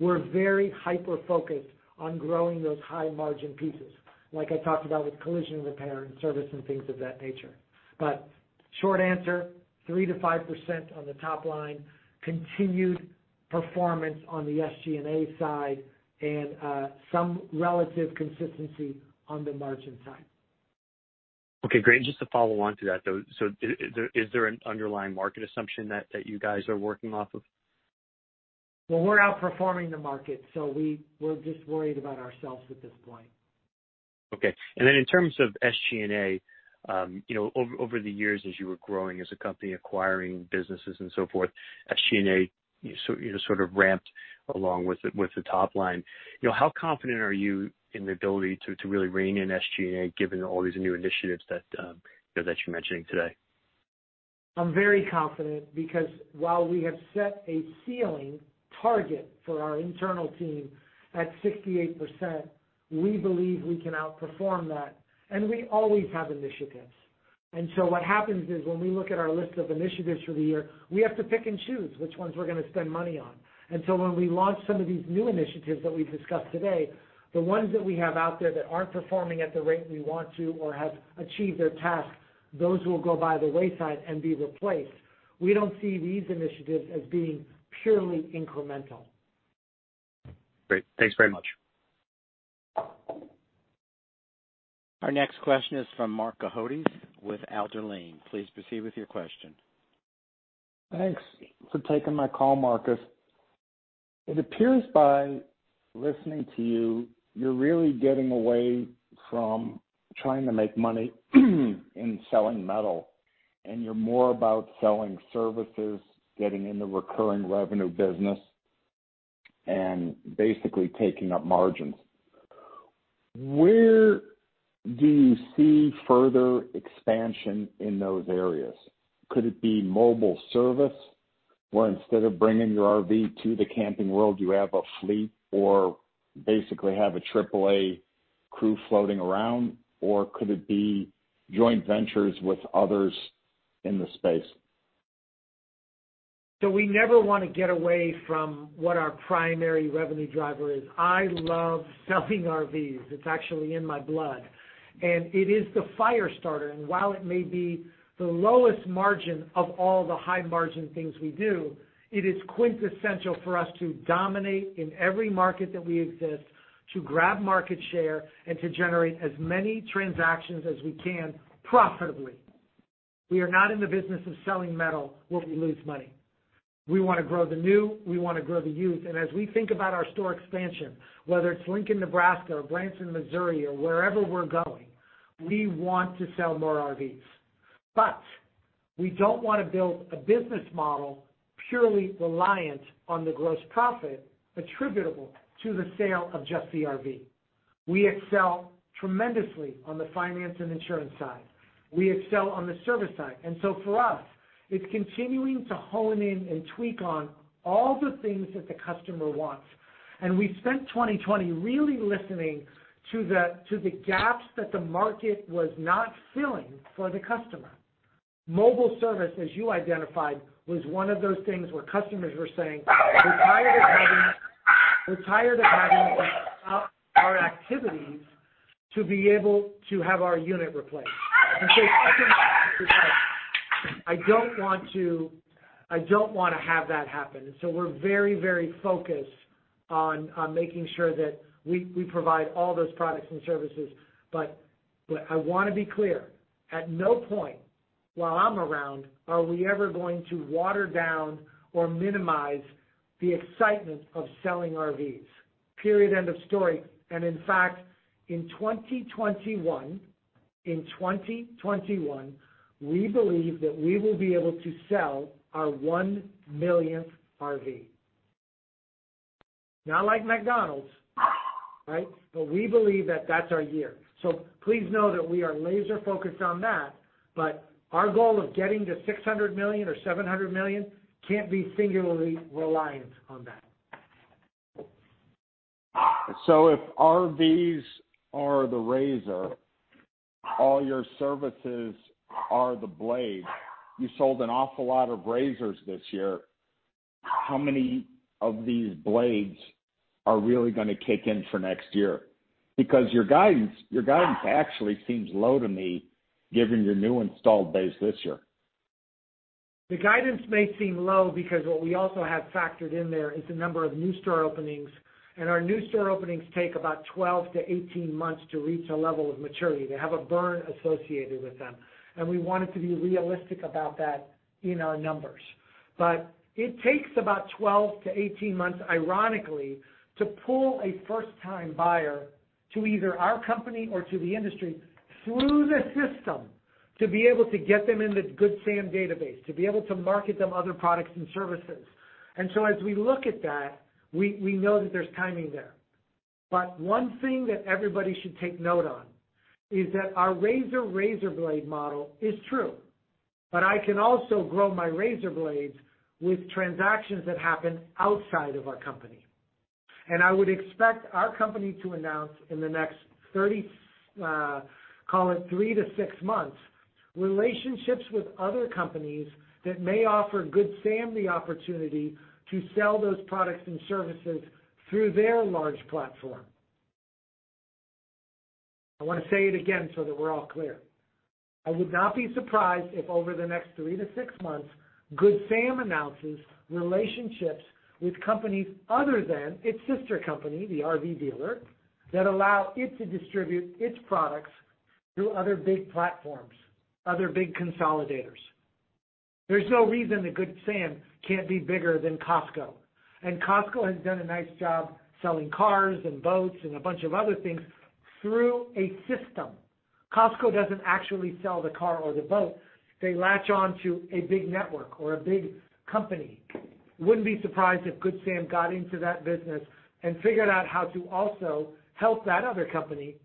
we're very hyper-focused on growing those high-margin pieces, like I talked about with collision repair and service and things of that nature. But short answer, 3%-5% on the top-line, continued performance on the SG&A side, and some relative consistency on the margin side. Okay. Great. And just to follow on to that, though, so is there an underlying market assumption that you guys are working off of? Well, we're outperforming the market, so we're just worried about ourselves at this point. Okay. And then in terms of SG&A, over the years, as you were growing as a company, acquiring businesses and so forth, SG&A sort of ramped along with the top-line. How confident are you in the ability to really rein in SG&A given all these new initiatives that you're mentioning today? I'm very confident because while we have set a ceiling target for our internal team at 68%, we believe we can outperform that. And we always have initiatives. And so what happens is when we look at our list of initiatives for the year, we have to pick and choose which ones we're going to spend money on. And so when we launch some of these new initiatives that we've discussed today, the ones that we have out there that aren't performing at the rate we want to or have achieved their task, those will go by the wayside and be replaced. We don't see these initiatives as being purely incremental. Great. Thanks very much. Our next question is from Marc Cohodes with Alder Lane. Please proceed with your question. Thanks for taking my call, Marcus. It appears by listening to you, you're really getting away from trying to make money in selling metal, and you're more about selling services, getting in the recurring revenue business, and basically taking up margins. Where do you see further expansion in those areas? Could it be mobile service where instead of bringing your RV to the Camping World, you have a fleet or basically have a AAA crew floating around? Or could it be joint ventures with others in the space? So we never want to get away from what our primary revenue driver is. I love selling RVs. It's actually in my blood. And it is the fire starter. And while it may be the lowest margin of all the high-margin things we do, it is quintessential for us to dominate in every market that we exist, to grab market share, and to generate as many transactions as we can profitably. We are not in the business of selling metal where we lose money. We want to grow the new. We want to grow the used. And as we think about our store expansion, whether it's Lincoln, Nebraska, or Branson, Missouri, or wherever we're going, we want to sell more RVs. But we don't want to build a business model purely reliant on the gross profit attributable to the sale of just the RV. We excel tremendously on the finance and insurance side. We excel on the service side. And so for us, it's continuing to hone in and tweak on all the things that the customer wants. And we spent 2020 really listening to the gaps that the market was not filling for the customer. Mobile service, as you identified, was one of those things where customers were saying, "We're tired of having to stop our activities to be able to have our unit replaced." And so customers were like, "I don't want to have that happen." And so we're very, very focused on making sure that we provide all those products and services. But I want to be clear. At no point, while I'm around, are we ever going to water down or minimize the excitement of selling RVs. Period. End of story, and in fact, in 2021, we believe that we will be able to sell our one millionth RV. Not like McDonald's, right, but we believe that that's our year, so please know that we are laser-focused on that, but our goal of getting to $600 million or $700 million can't be singularly reliant on that. so if RVs are the razor, all your services are the blades, you sold an awful lot of razors this year, how many of these blades are really going to kick in for next year? Because your guidance actually seems low to me, given your new installed base this year. The guidance may seem low because what we also have factored in there is the number of new store openings. Our new store openings take about 12-18 months to reach a level of maturity. They have a burn associated with them. We wanted to be realistic about that in our numbers. But it takes about 12-18 months, ironically, to pull a first-time buyer to either our company or to the industry through the system to be able to get them in the Good Sam database, to be able to market them other products and services. So as we look at that, we know that there's timing there. But one thing that everybody should take note on is that our razor blade model is true. But I can also grow my razor blades with transactions that happen outside of our company. I would expect our company to announce in the next, call it, three to six months, relationships with other companies that may offer Good Sam the opportunity to sell those products and services through their large platform. I want to say it again so that we're all clear. I would not be surprised if over the next three to six months, Good Sam announces relationships with companies other than its sister company, the RV dealer, that allow it to distribute its products through other big platforms, other big consolidators. There's no reason that Good Sam can't be bigger than Costco. Costco has done a nice job selling cars and boats and a bunch of other things through a system. Costco doesn't actually sell the car or the boat. They latch on to a big network or a big company. Wouldn't be surprised if Good Sam got into that business and figured out how to also help that other company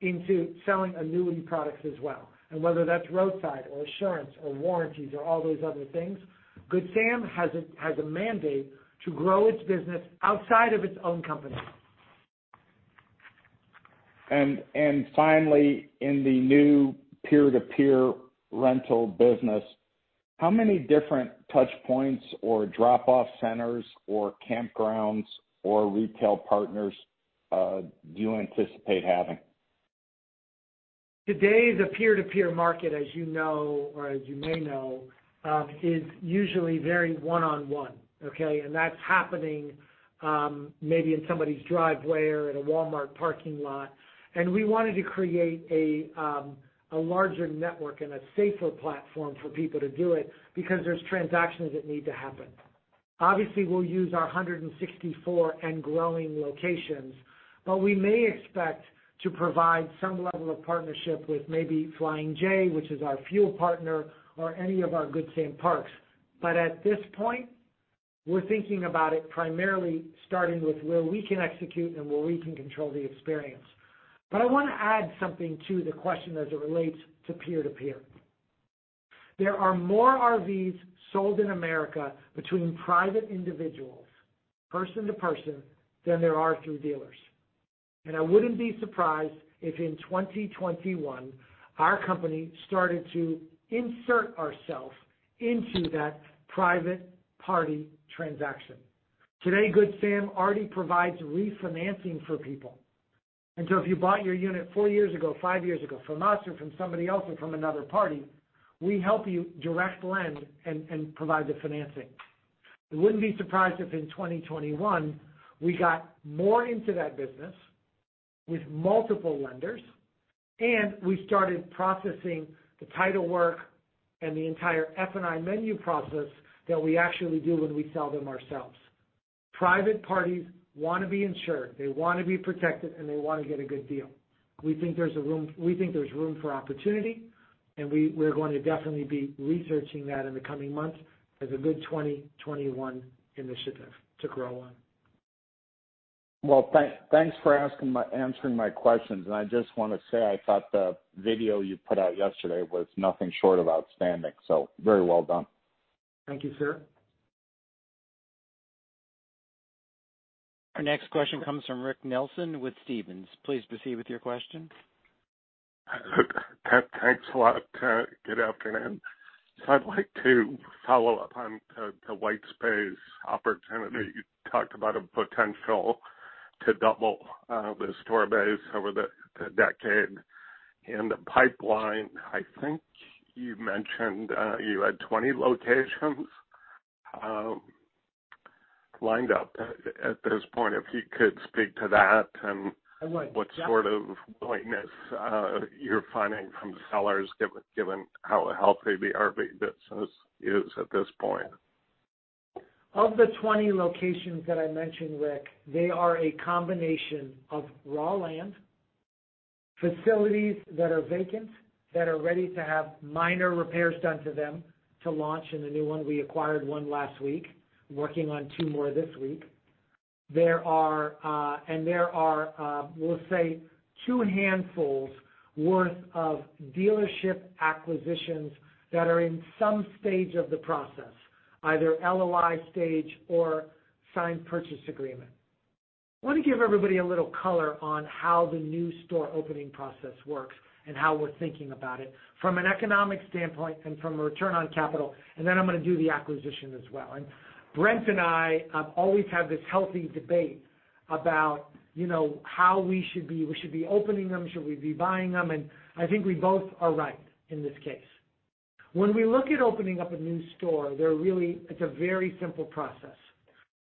into selling annuity products as well. And whether that's roadside or insurance or warranties or all those other things, Good Sam has a mandate to grow its business outside of its own company. And finally, in the new peer-to-peer rental business, how many different touchpoints or drop-off centers or campgrounds or retail partners do you anticipate having? Today, the peer-to-peer market, as you know or as you may know, is usually very one-on-one. Okay? And that's happening maybe in somebody's driveway or in a Walmart parking lot. And we wanted to create a larger network and a safer platform for people to do it because there's transactions that need to happen. Obviously, we'll use our 164 and growing locations, but we may expect to provide some level of partnership with maybe Flying J, which is our fuel partner, or any of our Good Sam Parks. But at this point, we're thinking about it primarily starting with where we can execute and where we can control the experience. But I want to add something to the question as it relates to peer-to-peer. There are more RVs sold in America between private individuals, person-to-person, than there are through dealers. And I wouldn't be surprised if in 2021, our company started to insert ourselves into that private-party transaction. Today, Good Sam already provides refinancing for people. And so if you bought your unit four years ago, five years ago, from us or from somebody else or from another party, we help you direct lend and provide the financing. I wouldn't be surprised if in 2021, we got more into that business with multiple lenders, and we started processing the title work and the entire F&I menu process that we actually do when we sell them ourselves. Private parties want to be insured. They want to be protected, and they want to get a good deal. We think there's room for opportunity, and we're going to definitely be researching that in the coming months as a good 2021 initiative to grow on. Thanks for answering my questions. I just want to say I thought the video you put out yesterday was nothing short of outstanding. Very well done. Thank you, sir. Our next question comes from Rick Nelson with Stephens. Please proceed with your question. Thanks a lot. Good afternoon. I'd like to follow up on the white space opportunity. You talked about a potential to double the store base over the decade. In the pipeline, I think you mentioned you had 20 locations lined up at this point. If you could speak to that and what sort of willingness you're finding from sellers, given how healthy the RV business is at this point. Of the 20 locations that I mentioned, Rick, they are a combination of raw land, facilities that are vacant, that are ready to have minor repairs done to them to launch a new one. We acquired one last week, working on two more this week. And there are, we'll say, two handfuls worth of dealership acquisitions that are in some stage of the process, either LOI stage or signed purchase agreement. I want to give everybody a little color on how the new store opening process works and how we're thinking about it from an economic standpoint and from a return on capital. And then I'm going to do the acquisition as well. And Brent and I have always had this healthy debate about how we should be opening them, should we be buying them. And I think we both are right in this case. When we look at opening up a new store, it's a very simple process.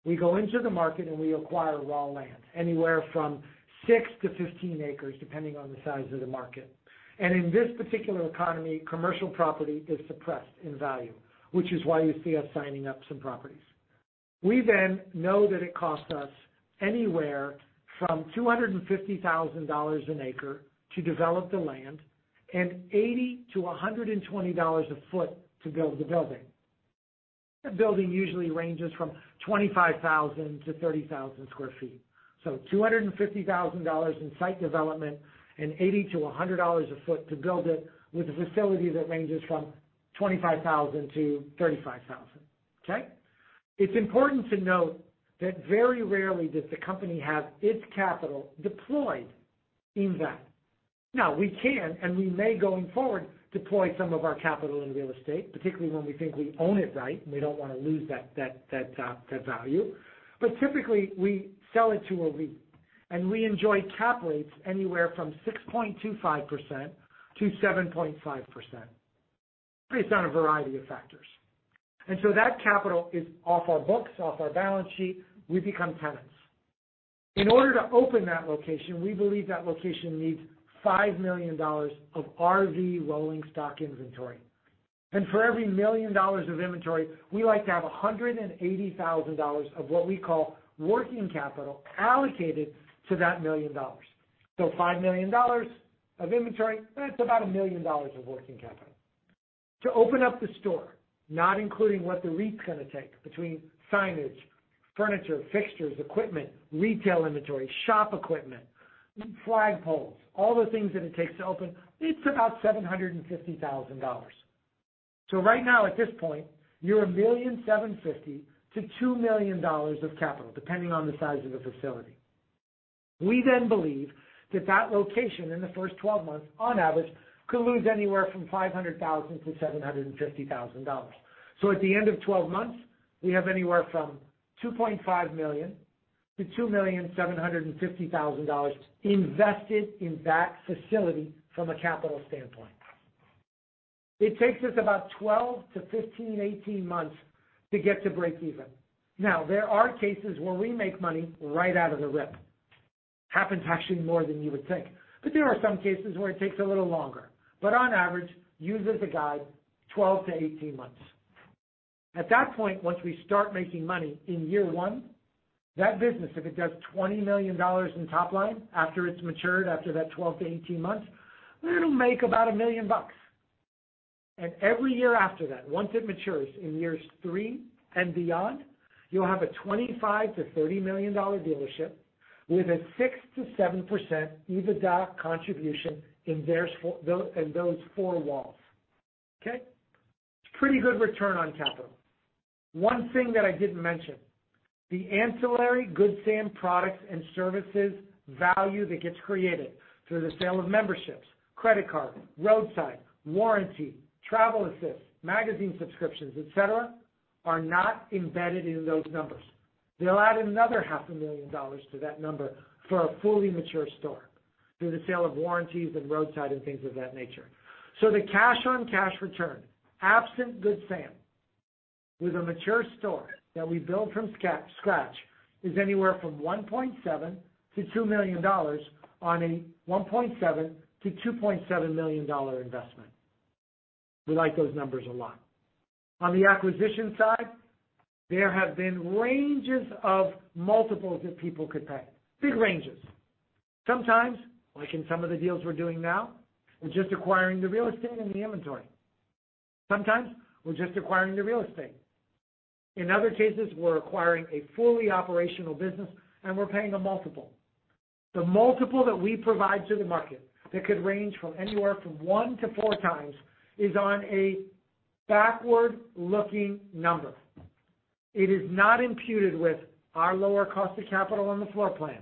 We go into the market and we acquire raw land, anywhere from six to 15 acres, depending on the size of the market. And in this particular economy, commercial property is suppressed in value, which is why you see us signing up some properties. We then know that it costs us anywhere from $250,000 an acre to develop the land and $80-$120 a foot to build the building. The building usually ranges from 25,000-30,000 sq ft. So $250,000 in site development and $80-$100 a foot to build it with a facility that ranges from 25,000-35,000 sq ft. Okay? It's important to note that very rarely does the company have its capital deployed in that. Now, we can, and we may going forward deploy some of our capital in real estate, particularly when we think we own it right and we don't want to lose that value, but typically, we sell it to a REIT, and we enjoy cap rates anywhere from 6.25%-7.5% based on a variety of factors, and so that capital is off our books, off our balance sheet. We become tenants. In order to open that location, we believe that location needs $5 million of RV rolling stock inventory. And for every million dollars of inventory, we like to have $180,000 of what we call working capital allocated to that million dollars. So $5 million of inventory, that's about $1 million of working capital. To open up the store, not including what the REIT's going to take between signage, furniture, fixtures, equipment, retail inventory, shop equipment, flagpoles, all the things that it takes to open, it's about $750,000. So right now, at this point, you're $1.75 million-$2 million of capital, depending on the size of the facility. We then believe that that location in the first 12 months, on average, could lose anywhere from $500,000-$750,000. So at the end of 12 months, we have anywhere from $2.5-$2.75 million invested in that facility from a capital standpoint. It takes us about 12 -15 months, 18 months to get to break even. Now, there are cases where we make money right out of the rip. Happens actually more than you would think. But there are some cases where it takes a little longer. But on average, use as a guide, 12-18 months. At that point, once we start making money in year one, that business, if it does $20 million in top line after it's matured after that 12-18 months, it'll make about $1 million. And every year after that, once it matures in years three and beyond, you'll have a $25 million-$30 million dealership with a 6%-7% EBITDA contribution in those four walls. Okay? It's a pretty good return on capital. One thing that I didn't mention, the ancillary Good Sam products and services value that gets created through the sale of memberships, credit card, roadside, warranty, TravelAssist, magazine subscriptions, etc., are not embedded in those numbers. They'll add another $500,000 to that number for a fully mature store through the sale of warranties and roadside and things of that nature. So the cash-on-cash return, absent Good Sam, with a mature store that we build from scratch is anywhere from $1.7 million-$2 million on a $1.7 million-$2.7 million investment. We like those numbers a lot. On the acquisition side, there have been ranges of multiples that people could pay. Big ranges. Sometimes, like in some of the deals we're doing now, we're just acquiring the real estate and the inventory. Sometimes, we're just acquiring the real estate. In other cases, we're acquiring a fully operational business, and we're paying a multiple. The multiple that we provide to the market that could range from anywhere from one to four times is on a backward-looking number. It is not imputed with our lower cost of capital on the floor plan,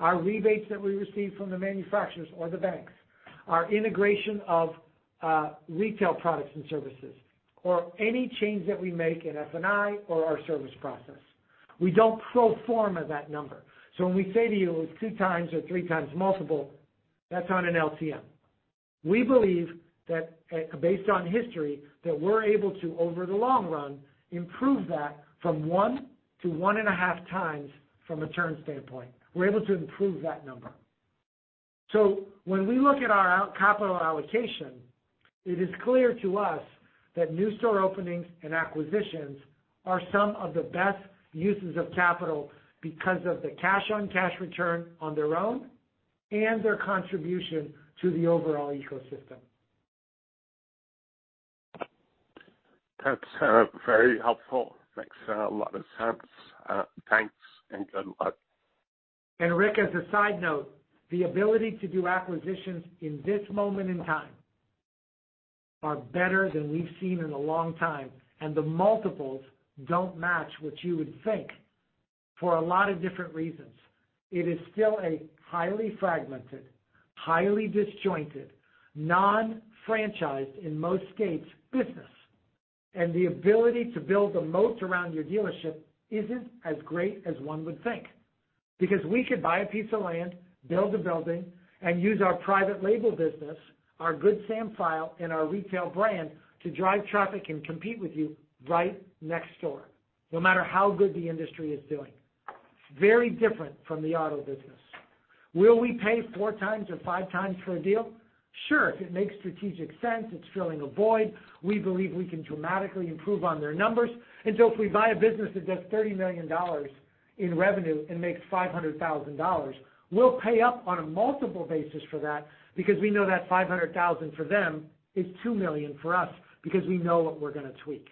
our rebates that we receive from the manufacturers or the banks, our integration of retail products and services, or any change that we make in F&I or our service process. We don't pro forma that number. So when we say to you it's two times or three times multiple, that's on an LTM. We believe that, based on history, that we're able to, over the long run, improve that from one to one and a half times from a turn standpoint. We're able to improve that number. So when we look at our capital allocation, it is clear to us that new store openings and acquisitions are some of the best uses of capital because of the cash-on-cash return on their own and their contribution to the overall ecosystem. That's very helpful. Makes a lot of sense. Thanks and good luck. And Rick, as a side note, the ability to do acquisitions in this moment in time are better than we've seen in a long time. And the multiples don't match what you would think for a lot of different reasons. It is still a highly fragmented, highly disjointed, non-franchised in most states business. And the ability to build a moat around your dealership isn't as great as one would think. Because we could buy a piece of land, build a building, and use our private label business, our Good Sam file, and our retail brand to drive traffic and compete with you right next door, no matter how good the industry is doing. It's very different from the auto business. Will we pay four times or five times for a deal? Sure. If it makes strategic sense, it's filling a void. We believe we can dramatically improve on their numbers. And so if we buy a business that does $30 million in revenue and makes $500,000, we'll pay up on a multiple basis for that because we know that $500,000 for them is $2 million for us because we know what we're going to tweak.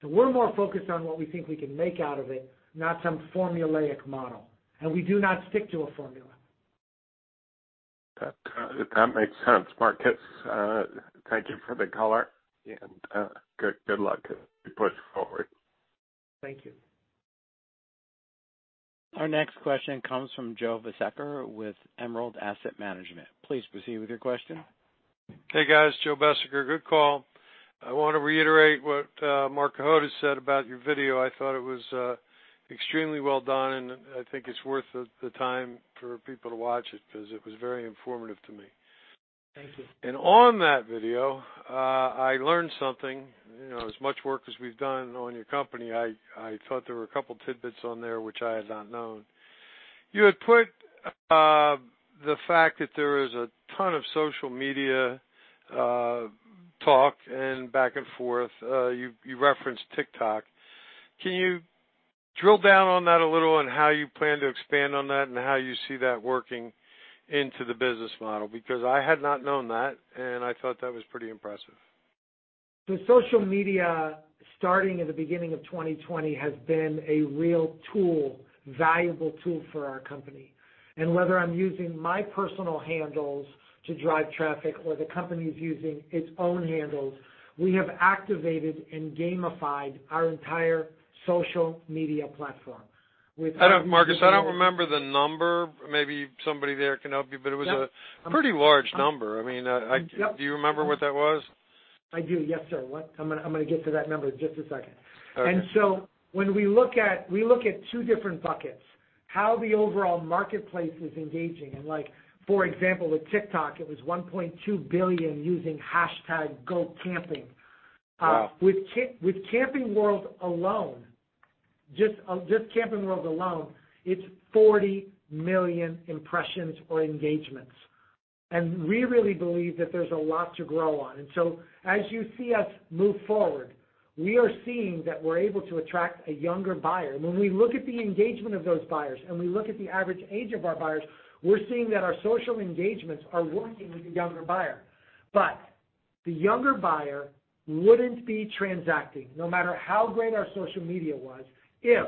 So we're more focused on what we think we can make out of it, not some formulaic model. And we do not stick to a formula. That makes sense. Marcus, thank you for the color. And good luck as we push forward. Thank you. Our next question comes from Joe Besecker with Emerald Asset Management. Please proceed with your question. Hey, guys. Joe Besecker. Good call. I want to reiterate what Marc Cohodes has said about your video. I thought it was extremely well done, and I think it's worth the time for people to watch it because it was very informative to me. Thank you. And on that video, I learned something. As much work as we've done on your company, I thought there were a couple tidbits on there which I had not known. You had put the fact that there is a ton of social media talk and back and forth. You referenced TikTok. Can you drill down on that a little and how you plan to expand on that and how you see that working into the business model? Because I had not known that, and I thought that was pretty impressive. The social media starting at the beginning of 2020 has been a real tool, valuable tool for our company. And whether I'm using my personal handles to drive traffic or the company's using its own handles, we have activated and gamified our entire social media platform with. Marcus, I don't remember the number. Maybe somebody there can help you, but it was a pretty large number. I mean, do you remember what that was? I do. Yes, sir. I'm going to get to that number in just a second. And so when we look at two different buckets, how the overall marketplace is engaging. And for example, with TikTok, it was $1.2 billion using #GoCamping. With Camping World alone, just Camping World alone, it's 40 million impressions or engagements. And we really believe that there's a lot to grow on. And so as you see us move forward, we are seeing that we're able to attract a younger buyer. And when we look at the engagement of those buyers and we look at the average age of our buyers, we're seeing that our social engagements are working with the younger buyer. But the younger buyer wouldn't be transacting, no matter how great our social media was, if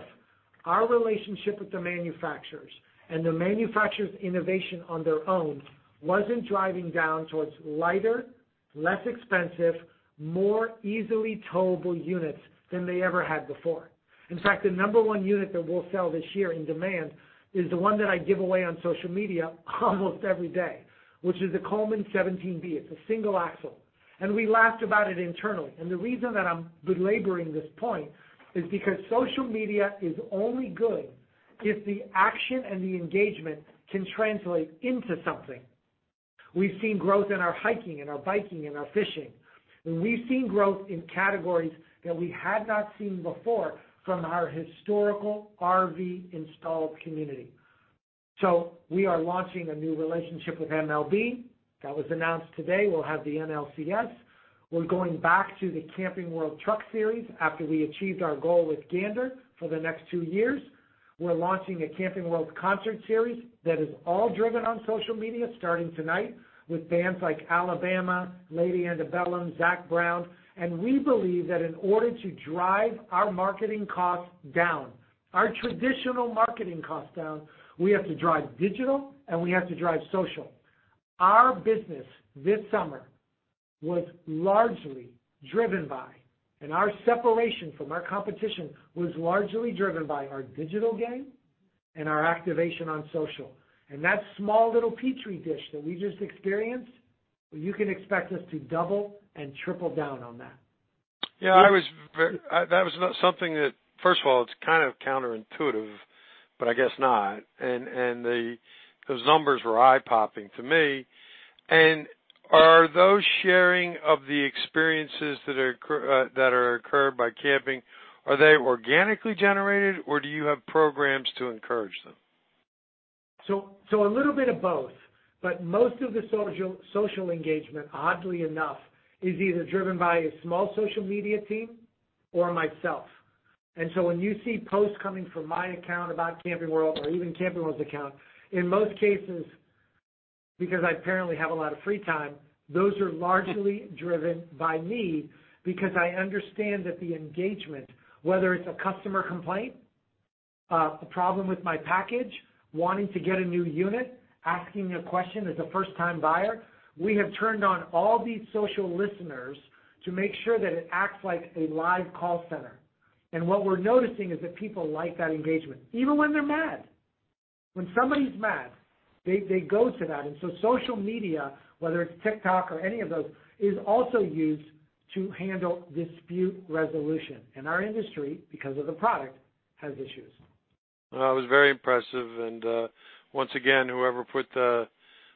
our relationship with the manufacturers and the manufacturers' innovation on their own wasn't driving down towards lighter, less expensive, more easily towable units than they ever had before. In fact, the number one unit that we'll sell this year in demand is the one that I give away on social media almost every day, which is the Coleman 17B. It's a single-axle. And we laughed about it internally. And the reason that I'm belaboring this point is because social media is only good if the action and the engagement can translate into something. We've seen growth in our hiking and our biking and our fishing. And we've seen growth in categories that we had not seen before from our historical RV installed community. So we are launching a new relationship with MLB. That was announced today. We'll have the NLCS. We're going back to the Camping World Truck Series after we achieved our goal with Gander for the next two years. We're launching a Camping World Concert Series that is all driven on social media starting tonight with bands like Alabama, Lady Antebellum, Zac Brown. And we believe that in order to drive our marketing costs down, our traditional marketing costs down, we have to drive digital, and we have to drive social. Our business this summer was largely driven by, and our separation from our competition was largely driven by our digital game and our activation on social. And that small little petri dish that we just experienced, you can expect us to double and triple down on that. Yeah. That was not something that, first of all, it's kind of counterintuitive, but I guess not. And those numbers were eye-popping to me. And are those sharing of the experiences that are occurred by camping, are they organically generated, or do you have programs to encourage them? So a little bit of both. But most of the social engagement, oddly enough, is either driven by a small social media team or myself. And so when you see posts coming from my account about Camping World or even Camping World's account, in most cases, because I apparently have a lot of free time, those are largely driven by me because I understand that the engagement, whether it's a customer complaint, a problem with my package, wanting to get a new unit, asking a question as a first-time buyer, we have turned on all these social listeners to make sure that it acts like a live call center. And what we're noticing is that people like that engagement, even when they're mad. When somebody's mad, they go to that. And so social media, whether it's TikTok or any of those, is also used to handle dispute resolution. And our industry, because of the product, has issues. Well, it was very impressive. And once again, whoever put the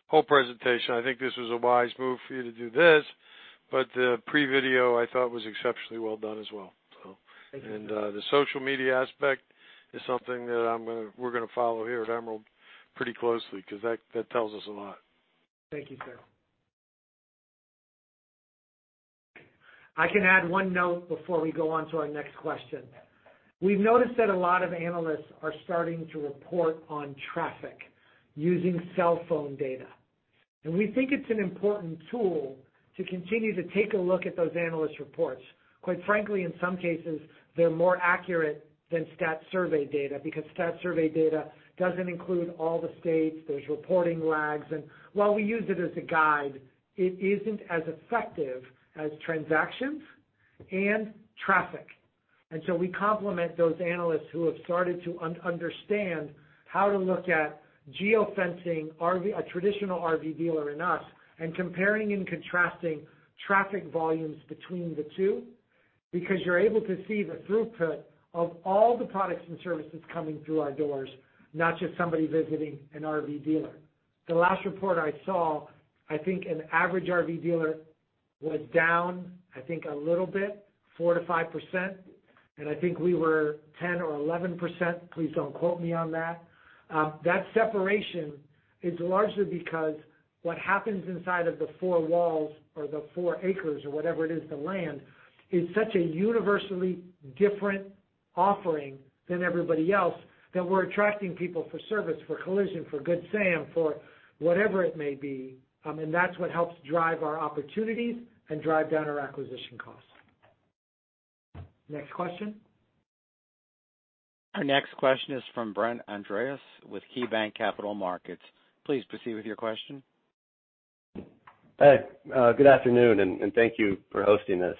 whole presentation, I think this was a wise move for you to do this. But the pre-video, I thought, was exceptionally well done as well. And the social media aspect is something that we're going to follow here at Emerald pretty closely because that tells us a lot. Thank you, sir. I can add one note before we go on to our next question. We've noticed that a lot of analysts are starting to report on traffic using cell phone data. And we think it's an important tool to continue to take a look at those analyst reports. Quite frankly, in some cases, they're more accurate than Stat Survey data because Stat Survey data doesn't include all the states. There's reporting lags. And while we use it as a guide, it isn't as effective as transactions and traffic. And so we complement those analysts who have started to understand how to look at geofencing a traditional RV dealer and us and comparing and contrasting traffic volumes between the two because you're able to see the throughput of all the products and services coming through our doors, not just somebody visiting an RV dealer. The last report I saw, I think an average RV dealer was down, I think, a little bit, 4%-5%. And I think we were 10% or 11%. Please don't quote me on that. That separation is largely because what happens inside of the four walls or the four acres or whatever it is, the land, is such a universally different offering than everybody else that we're attracting people for service, for collision, for Good Sam, for whatever it may be. And that's what helps drive our opportunities and drive down our acquisition costs. Next question. Our next question is from Brett Andress with KeyBanc Capital Markets. Please proceed with your question. Hi. Good afternoon, and thank you for hosting this.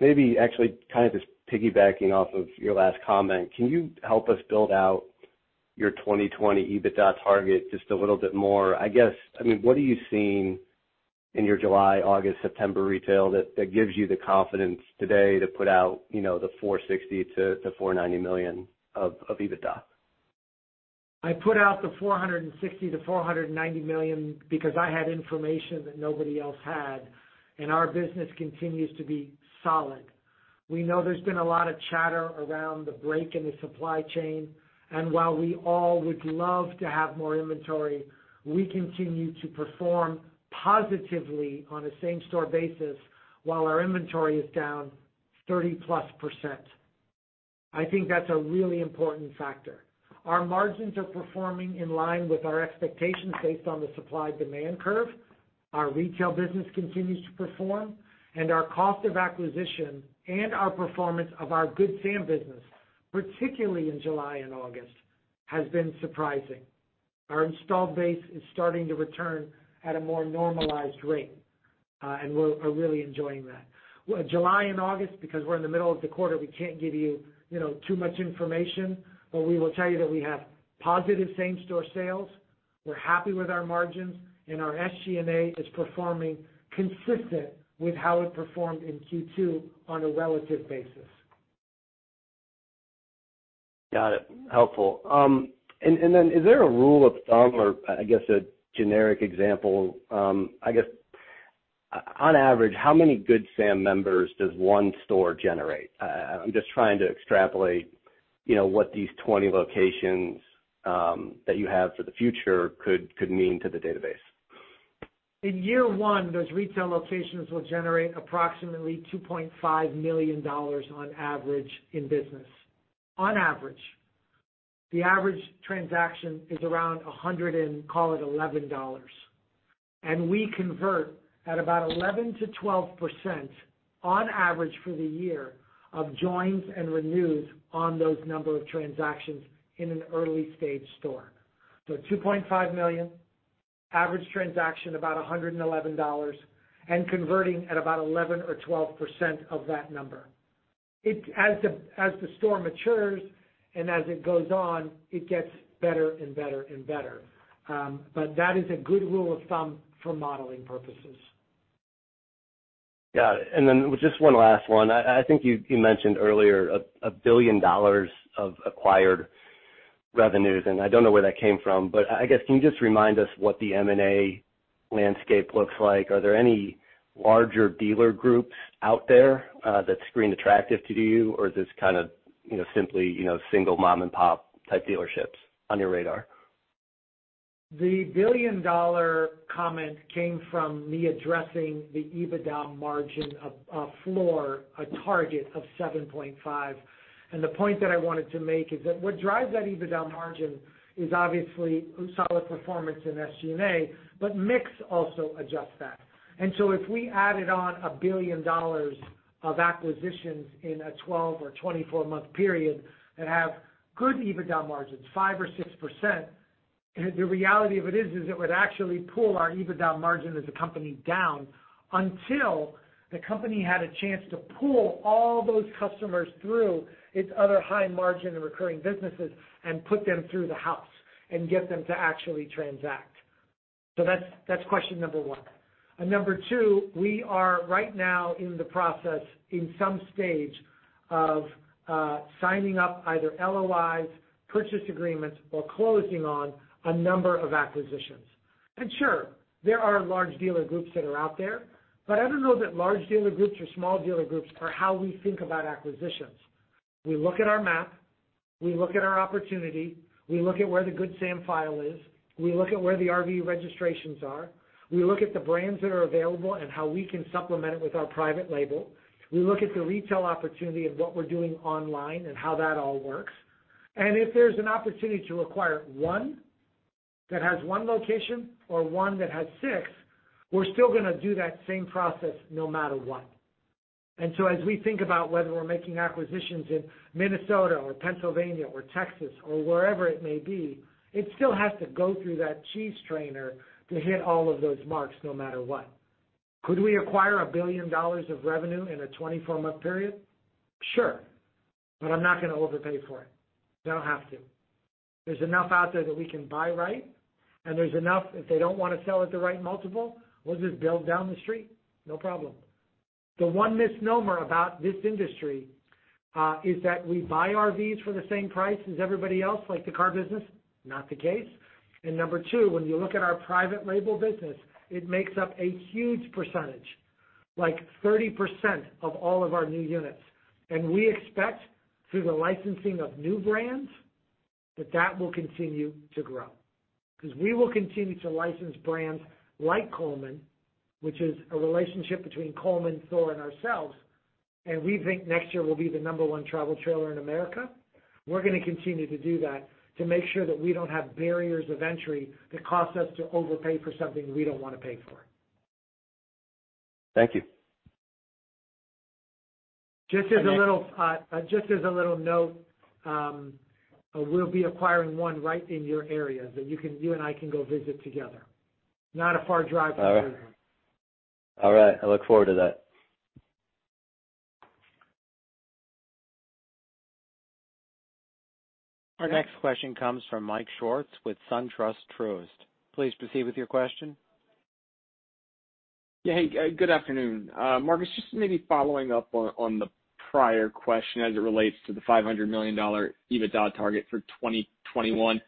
Maybe actually kind of just piggybacking off of your last comment, can you help us build out your 2020 EBITDA target just a little bit more? I mean, what are you seeing in your July, August, September retail that gives you the confidence today to put out the $460 million-$490 million of EBITDA? I put out the $460 million-$490 million because I had information that nobody else had. Our business continues to be solid. We know there's been a lot of chatter around the break in the supply chain. While we all would love to have more inventory, we continue to perform positively on a same-store basis while our inventory is down 30%+. I think that's a really important factor. Our margins are performing in line with our expectations based on the supply-demand curve. Our retail business continues to perform. Our cost of acquisition and our performance of our Good Sam business, particularly in July and August, has been surprising. Our installed base is starting to return at a more normalized rate. We're really enjoying that. July and August, because we're in the middle of the quarter, we can't give you too much information. But we will tell you that we have positive same-store sales. We're happy with our margins. And our SG&A is performing consistent with how it performed in Q2 on a relative basis. Got it. Helpful. And then is there a rule of thumb or, I guess, a generic example? I guess, on average, how many Good Sam members does one store generate? I'm just trying to extrapolate what these 20 locations that you have for the future could mean to the database. In year one, those retail locations will generate approximately $2.5 million on average in business. On average. The average transaction is around $111. And we convert at about 11%-12% on average for the year of joins and renews on those number of transactions in an early-stage store. 2.5 million, average transaction about $111, and converting at about 11% or 12% of that number. As the store matures and as it goes on, it gets better and better and better. But that is a good rule of thumb for modeling purposes. Got it. And then just one last one. I think you mentioned earlier $1 billion of acquired revenues. And I don't know where that came from. But I guess, can you just remind us what the M&A landscape looks like? Are there any larger dealer groups out there that seem attractive to you? Or is this kind of simply single mom-and-pop type dealerships on your radar? The billion-dollar comment came from me addressing the EBITDA margin of a floor, a target of 7.5%. The point that I wanted to make is that what drives that EBITDA margin is obviously solid performance in SG&A, but mix also adjusts that. So if we added on $1 billion of acquisitions in a 12-month or 24-month period that have good EBITDA margins, 5% or 6%, the reality of it is that it would actually pull our EBITDA margin as a company down until the company had a chance to pull all those customers through its other high-margin and recurring businesses and put them through the house and get them to actually transact. That's question number one. Number two, we are right now in the process, in some stage, of signing up either LOIs, purchase agreements, or closing on a number of acquisitions. Sure, there are large dealer groups that are out there. But I don't know that large dealer groups or small dealer groups are how we think about acquisitions. We look at our map. We look at our opportunity. We look at where the Good Sam file is. We look at where the RV registrations are. We look at the brands that are available and how we can supplement it with our private label. We look at the retail opportunity and what we're doing online and how that all works. And if there's an opportunity to acquire one that has one location or one that has six, we're still going to do that same process no matter what. And so as we think about whether we're making acquisitions in Minnesota or Pennsylvania or Texas or wherever it may be, it still has to go through that criteria to hit all of those marks no matter what. Could we acquire $1 billion of revenue in a 24-month period? Sure. But I'm not going to overpay for it. I don't have to. There's enough out there that we can buy right. And there's enough, if they don't want to sell at the right multiple, we'll just build down the street. No problem. The one misnomer about this industry is that we buy RVs for the same price as everybody else, like the car business. Not the case. And number two, when you look at our private label business, it makes up a huge percentage, like 30% of all of our new units. And we expect, through the licensing of new brands, that that will continue to grow. Because we will continue to license brands like Coleman, which is a relationship between Coleman, Thor, and ourselves. And we think next year we'll be the number one travel trailer in America. We're going to continue to do that to make sure that we don't have barriers of entry that cost us to overpay for something we don't want to pay for. Thank you. Just as a little note, we'll be acquiring one right in your area that you and I can go visit together. Not a far drive from Cleveland. All right. I look forward to that. Our next question comes from Mike Swartz with Truist. Please proceed with your question. Yeah. Hey. Good afternoon. Marcus, just maybe following up on the prior question as it relates to the $500 million EBITDA target for 2021.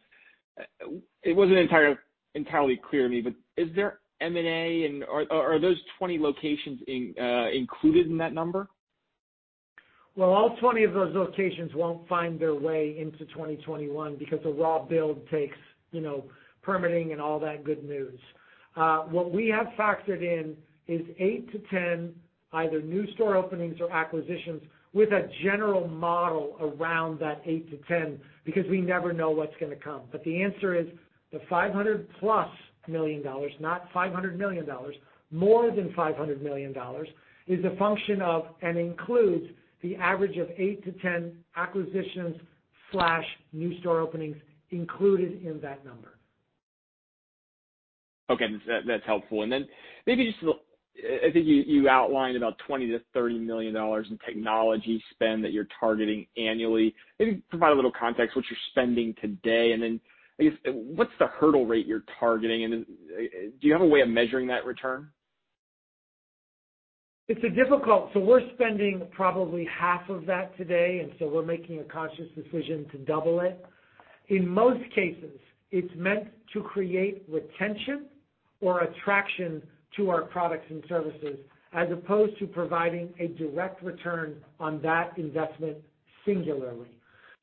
It wasn't entirely clear to me. But is there M&A and are those 20 locations included in that number? All 20 of those locations won't find their way into 2021 because the raw build takes permitting and all that good news. What we have factored in is 8-10 either new store openings or acquisitions with a general model around that 8-10 because we never know what's going to come. But the answer is the $500 million+, not $500 million, more than $500 million, is a function of and includes the average of 8-10 acquisitions/new store openings included in that number. Okay. That's helpful. And then maybe just I think you outlined about $20million-$30 million in technology spend that you're targeting annually. Maybe provide a little context of what you're spending today. And then I guess, what's the hurdle rate you're targeting? And do you have a way of measuring that return? It's difficult, so we're spending probably half of that today. And so we're making a conscious decision to double it. In most cases, it's meant to create retention or attraction to our products and services as opposed to providing a direct return on that investment singularly.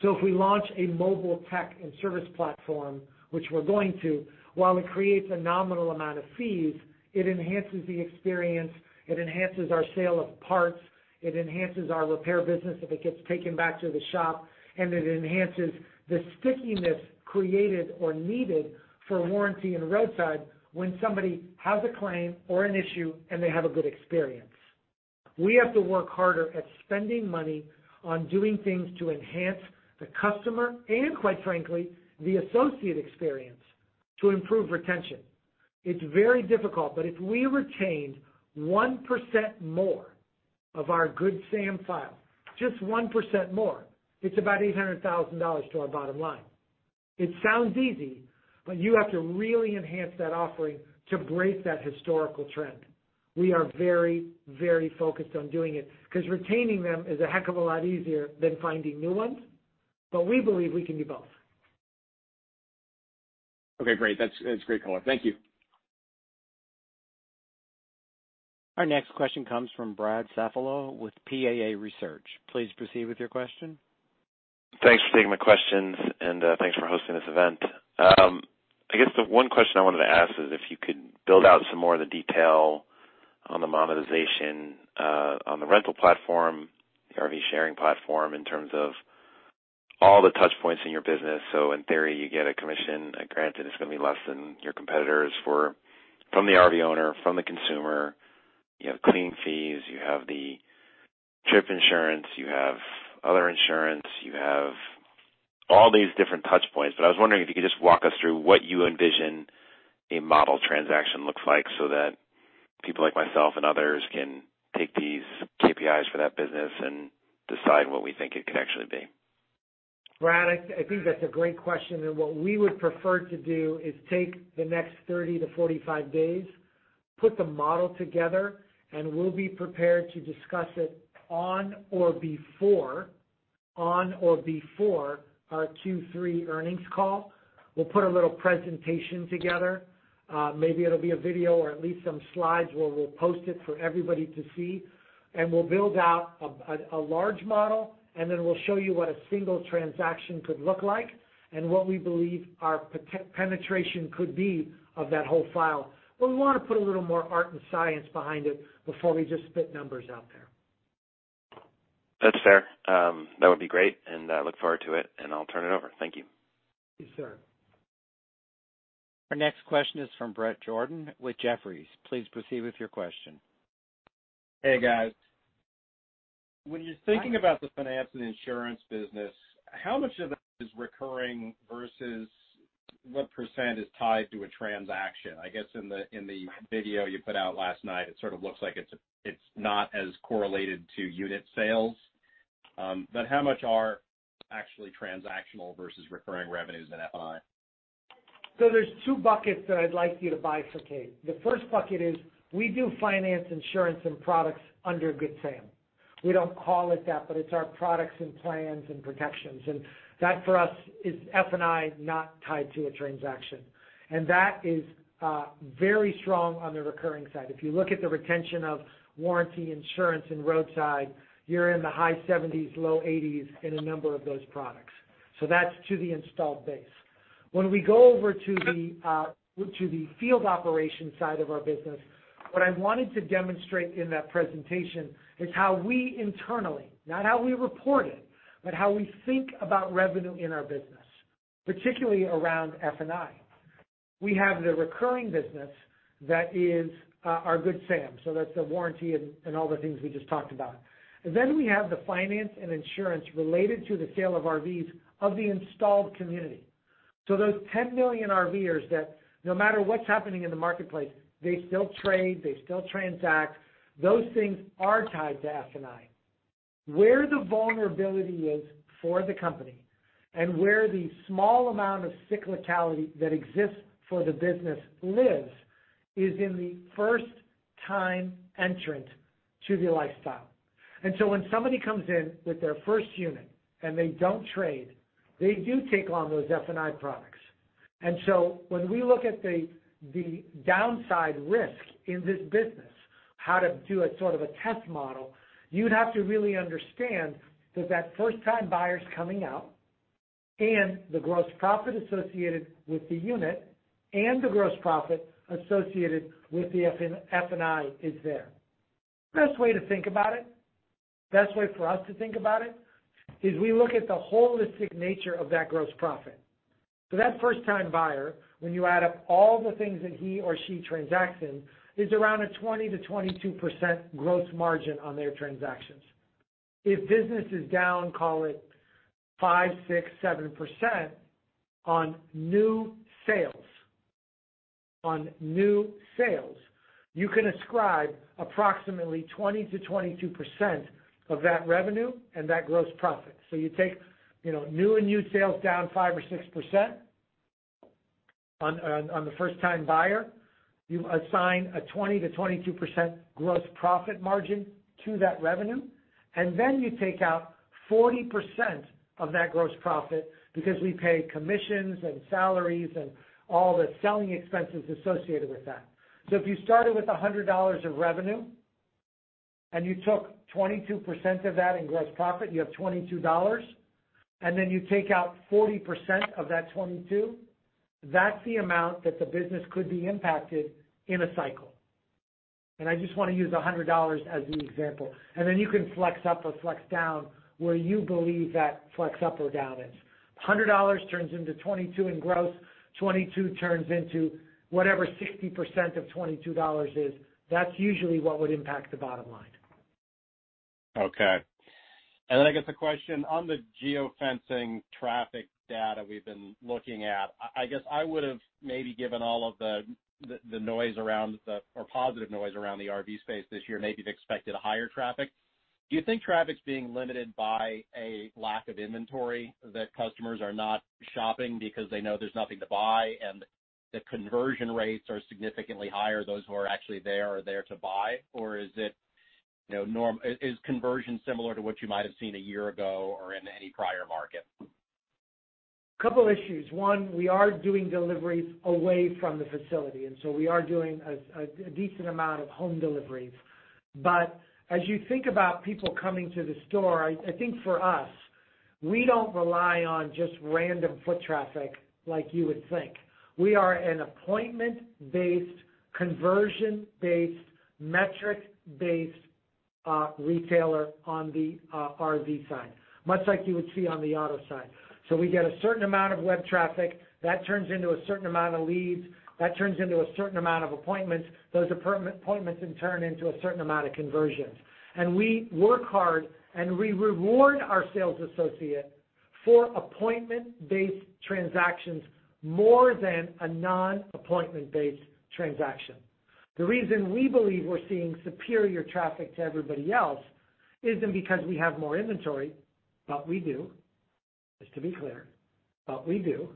So if we launch a mobile tech and service platform, which we're going to, while it creates a nominal amount of fees, it enhances the experience. It enhances our sale of parts. It enhances our repair business if it gets taken back to the shop. And it enhances the stickiness created or needed for warranty and roadside when somebody has a claim or an issue and they have a good experience. We have to work harder at spending money on doing things to enhance the customer and, quite frankly, the associate experience to improve retention. It's very difficult. But if we retained 1% more of our Good Sam file, just 1% more, it's about $800,000 to our bottom line. It sounds easy, but you have to really enhance that offering to break that historical trend. We are very, very focused on doing it because retaining them is a heck of a lot easier than finding new ones. But we believe we can do both. Okay. Great. That's great color. Thank you. Our next question comes from Brad Safalow with PAA Research. Please proceed with your question. Thanks for taking my questions. And thanks for hosting this event. I guess the one question I wanted to ask is if you could build out some more of the detail on the monetization on the rental platform, the RV sharing platform, in terms of all the touchpoints in your business. So, in theory, you get a commission, a grant that is going to be less than your competitors from the RV owner, from the consumer. You have cleaning fees. You have the trip insurance. You have other insurance. You have all these different touchpoints. But I was wondering if you could just walk us through what you envision a model transaction looks like so that people like myself and others can take these KPIs for that business and decide what we think it could actually be. Brad, I think that's a great question. And what we would prefer to do is take the next 30-45 days, put the model together, and we'll be prepared to discuss it on or before our Q3 earnings call. We'll put a little presentation together. Maybe it'll be a video or at least some slides where we'll post it for everybody to see. And we'll build out a large model. And then we'll show you what a single transaction could look like and what we believe our penetration could be of that whole file. But we want to put a little more art and science behind it before we just spit numbers out there. That's fair. That would be great. And I look forward to it. And I'll turn it over. Thank you. Yes, sir. Our next question is from Bret Jordan with Jefferies. Please proceed with your question. Hey, guys. When you're thinking about the finance and insurance business, how much of that is recurring versus what percent is tied to a transaction? I guess in the video you put out last night, it sort of looks like it's not as correlated to unit sales. But how much are actually transactional versus recurring revenues in F&I? So there's two buckets that I'd like you to bifurcate. The first bucket is we do finance, insurance, and products under Good Sam. We don't call it that, but it's our products and plans and protections. And that for us is F&I not tied to a transaction. And that is very strong on the recurring side. If you look at the retention of warranty, insurance, and roadside, you're in the high 70s, low 80s in a number of those products. So that's to the installed base. When we go over to the field operation side of our business, what I wanted to demonstrate in that presentation is how we internally, not how we report it, but how we think about revenue in our business, particularly around F&I. We have the recurring business that is our Good Sam. So that's the warranty and all the things we just talked about. And then we have the finance and insurance related to the sale of RVs of the installed community. So those 10 million RVers that no matter what's happening in the marketplace, they still trade. They still transact. Those things are tied to F&I. Where the vulnerability is for the company and where the small amount of cyclicality that exists for the business lives is in the first-time entrant to the lifestyle. And so when somebody comes in with their first unit and they don't trade, they do take on those F&I products. And so when we look at the downside risk in this business, how to do a sort of a test model, you'd have to really understand that that first-time buyer's coming out and the gross profit associated with the unit and the gross profit associated with the F&I is there. Best way to think about it, best way for us to think about it, is we look at the holistic nature of that gross profit. So that first-time buyer, when you add up all the things that he or she transacts, is around a 20%-22% gross margin on their transactions. If business is down, call it 5%-6%, 7% on new sales. On new sales, you can ascribe approximately 20%-22% of that revenue and that gross profit. So you take new and new sales down 5% or 6% on the first-time buyer. You assign a 20%-22% gross profit margin to that revenue. And then you take out 40% of that gross profit because we pay commissions and salaries and all the selling expenses associated with that. So if you started with $100 of revenue and you took 22% of that in gross profit, you have $22. And then you take out 40% of that 22. That's the amount that the business could be impacted in a cycle. And I just want to use $100 as the example. And then you can flex up or flex down where you believe that flex up or flex down is. $100 turns into $22 in gross. $22 turns into whatever 60% of $22 is. That's usually what would impact the bottom line. Okay. And then I guess the question on the geofencing traffic data we've been looking at. I guess I would have maybe given all of the noise around the or positive noise around the RV space this year, maybe expected a higher traffic. Do you think traffic's being limited by a lack of inventory, that customers are not shopping because they know there's nothing to buy and the conversion rates are significantly higher, those who are actually there are there to buy? Or is conversion similar to what you might have seen a year ago or in any prior market? A couple of issues. One, we are doing deliveries away from the facility, and so we are doing a decent amount of home deliveries, but as you think about people coming to the store, I think for us, we don't rely on just random foot traffic like you would think, we are an appointment-based, conversion-based, metric-based retailer on the RV side, much like you would see on the auto side, so we get a certain amount of web traffic. That turns into a certain amount of leads. That turns into a certain amount of appointments. Those appointments then turn into a certain amount of conversions, and we work hard and we reward our sales associate for appointment-based transactions more than a non-appointment-based transaction. The reason we believe we're seeing superior traffic to everybody else isn't because we have more inventory, but we do. Just to be clear, but we do.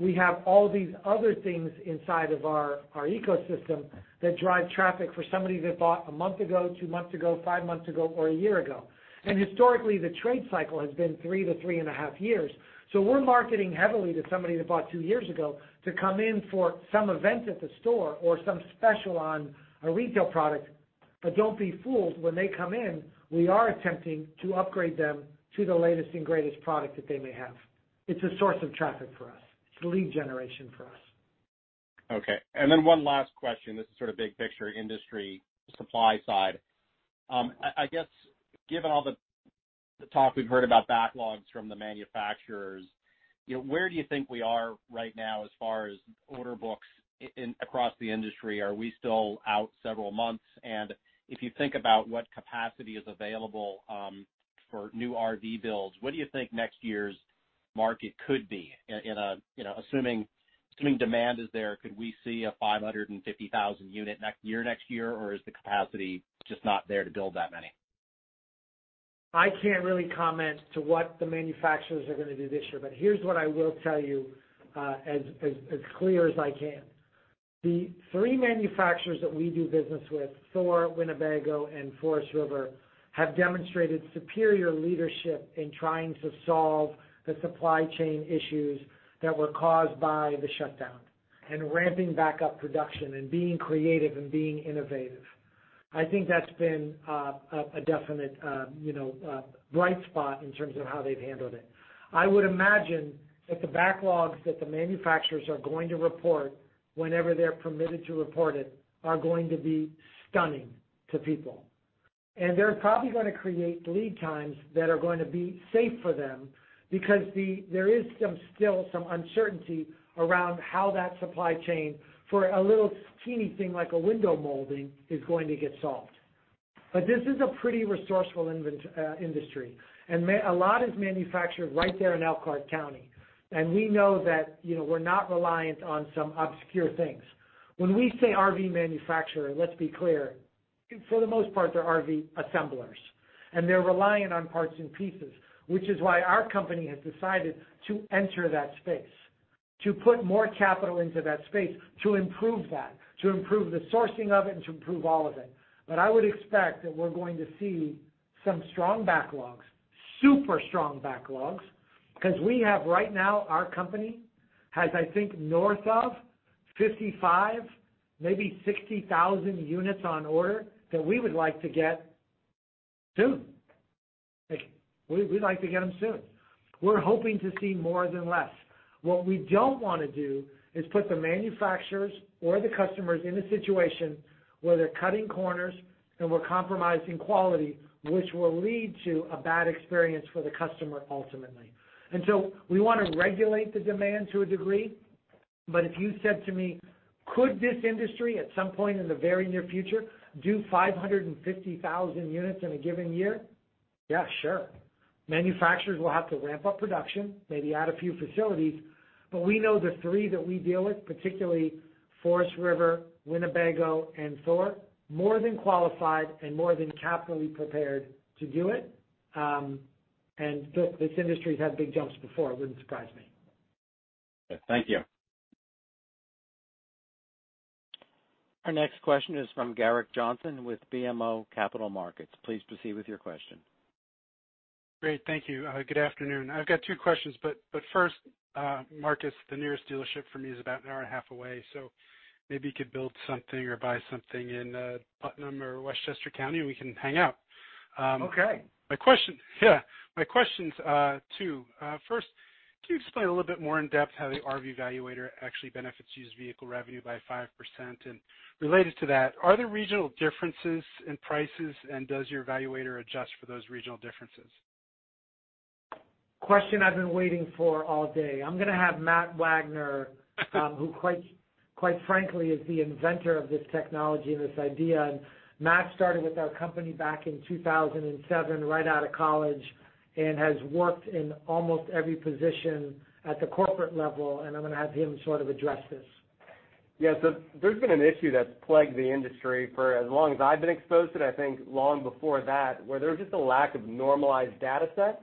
We have all these other things inside of our ecosystem that drive traffic for somebody that bought a month ago, two months ago, five months ago, or a year ago, and historically, the trade cycle has been three to three and a half years, so we're marketing heavily to somebody that bought two years ago to come in for some event at the store or some special on a retail product, but don't be fooled. When they come in, we are attempting to upgrade them to the latest and greatest product that they may have. It's a source of traffic for us. It's lead generation for us. Okay, and then one last question. This is sort of big picture industry supply side. I guess given all the talk we've heard about backlogs from the manufacturers, where do you think we are right now as far as order books across the industry? Are we still out several months? And if you think about what capacity is available for new RV builds, what do you think next year's market could be? Assuming demand is there, could we see a 550,000 unit year next year? Or is the capacity just not there to build that many? I can't really comment on what the manufacturers are going to do this year. But here's what I will tell you as clear as I can. The three manufacturers that we do business with, Thor, Winnebago, and Forest River, have demonstrated superior leadership in trying to solve the supply chain issues that were caused by the shutdown and ramping back up production and being creative and being innovative. I think that's been a definite bright spot in terms of how they've handled it. I would imagine that the backlogs that the manufacturers are going to report whenever they're permitted to report it are going to be stunning to people. And they're probably going to create lead times that are going to be safe for them because there is still some uncertainty around how that supply chain for a little teeny thing like a window molding is going to get solved. But this is a pretty resourceful industry. A lot is manufactured right there in Elkhart County. We know that we're not reliant on some obscure things. When we say RV manufacturer, let's be clear, for the most part, they're RV assemblers. They're reliant on parts and pieces, which is why our company has decided to enter that space, to put more capital into that space, to improve that, to improve the sourcing of it, and to improve all of it. I would expect that we're going to see some strong backlogs, super strong backlogs, because we have right now, our company has, I think, north of 55,000 maybe 60,000 units on order that we would like to get soon. We'd like to get them soon. We're hoping to see more than less. What we don't want to do is put the manufacturers or the customers in a situation where they're cutting corners and we're compromising quality, which will lead to a bad experience for the customer ultimately. And so we want to regulate the demand to a degree. But if you said to me, "Could this industry at some point in the very near future do 550,000 units in a given year?" Yeah, sure. Manufacturers will have to ramp up production, maybe add a few facilities. But we know the three that we deal with, particularly Forest River, Winnebago, and Thor, more than qualified and more than capitally prepared to do it. And this industry has had big jumps before. It wouldn't surprise me. Thank you. Our next question is from Gerrick Johnson with BMO Capital Markets. Please proceed with your question. Great. Thank you. Good afternoon. I've got two questions. But first, Marcus, the nearest dealership for me is about an hour and a half away. So maybe you could build something or buy something in Putnam or Westchester County, and we can hang out. My question's two. First, can you explain a little bit more in depth how the RV Valuator actually benefits used vehicle revenue by 5%? And related to that, are there regional differences in prices, and does your valuator adjust for those regional differences? Question I've been waiting for all day. I'm going to have Matt Wagner, who quite frankly is the inventor of this technology and this idea. And Matt started with our company back in 2007 right out of college and has worked in almost every position at the corporate level. And I'm going to have him sort of address this. Yeah. There's been an issue that's plagued the industry for as long as I've been exposed to it, I think long before that, where there was just a lack of normalized dataset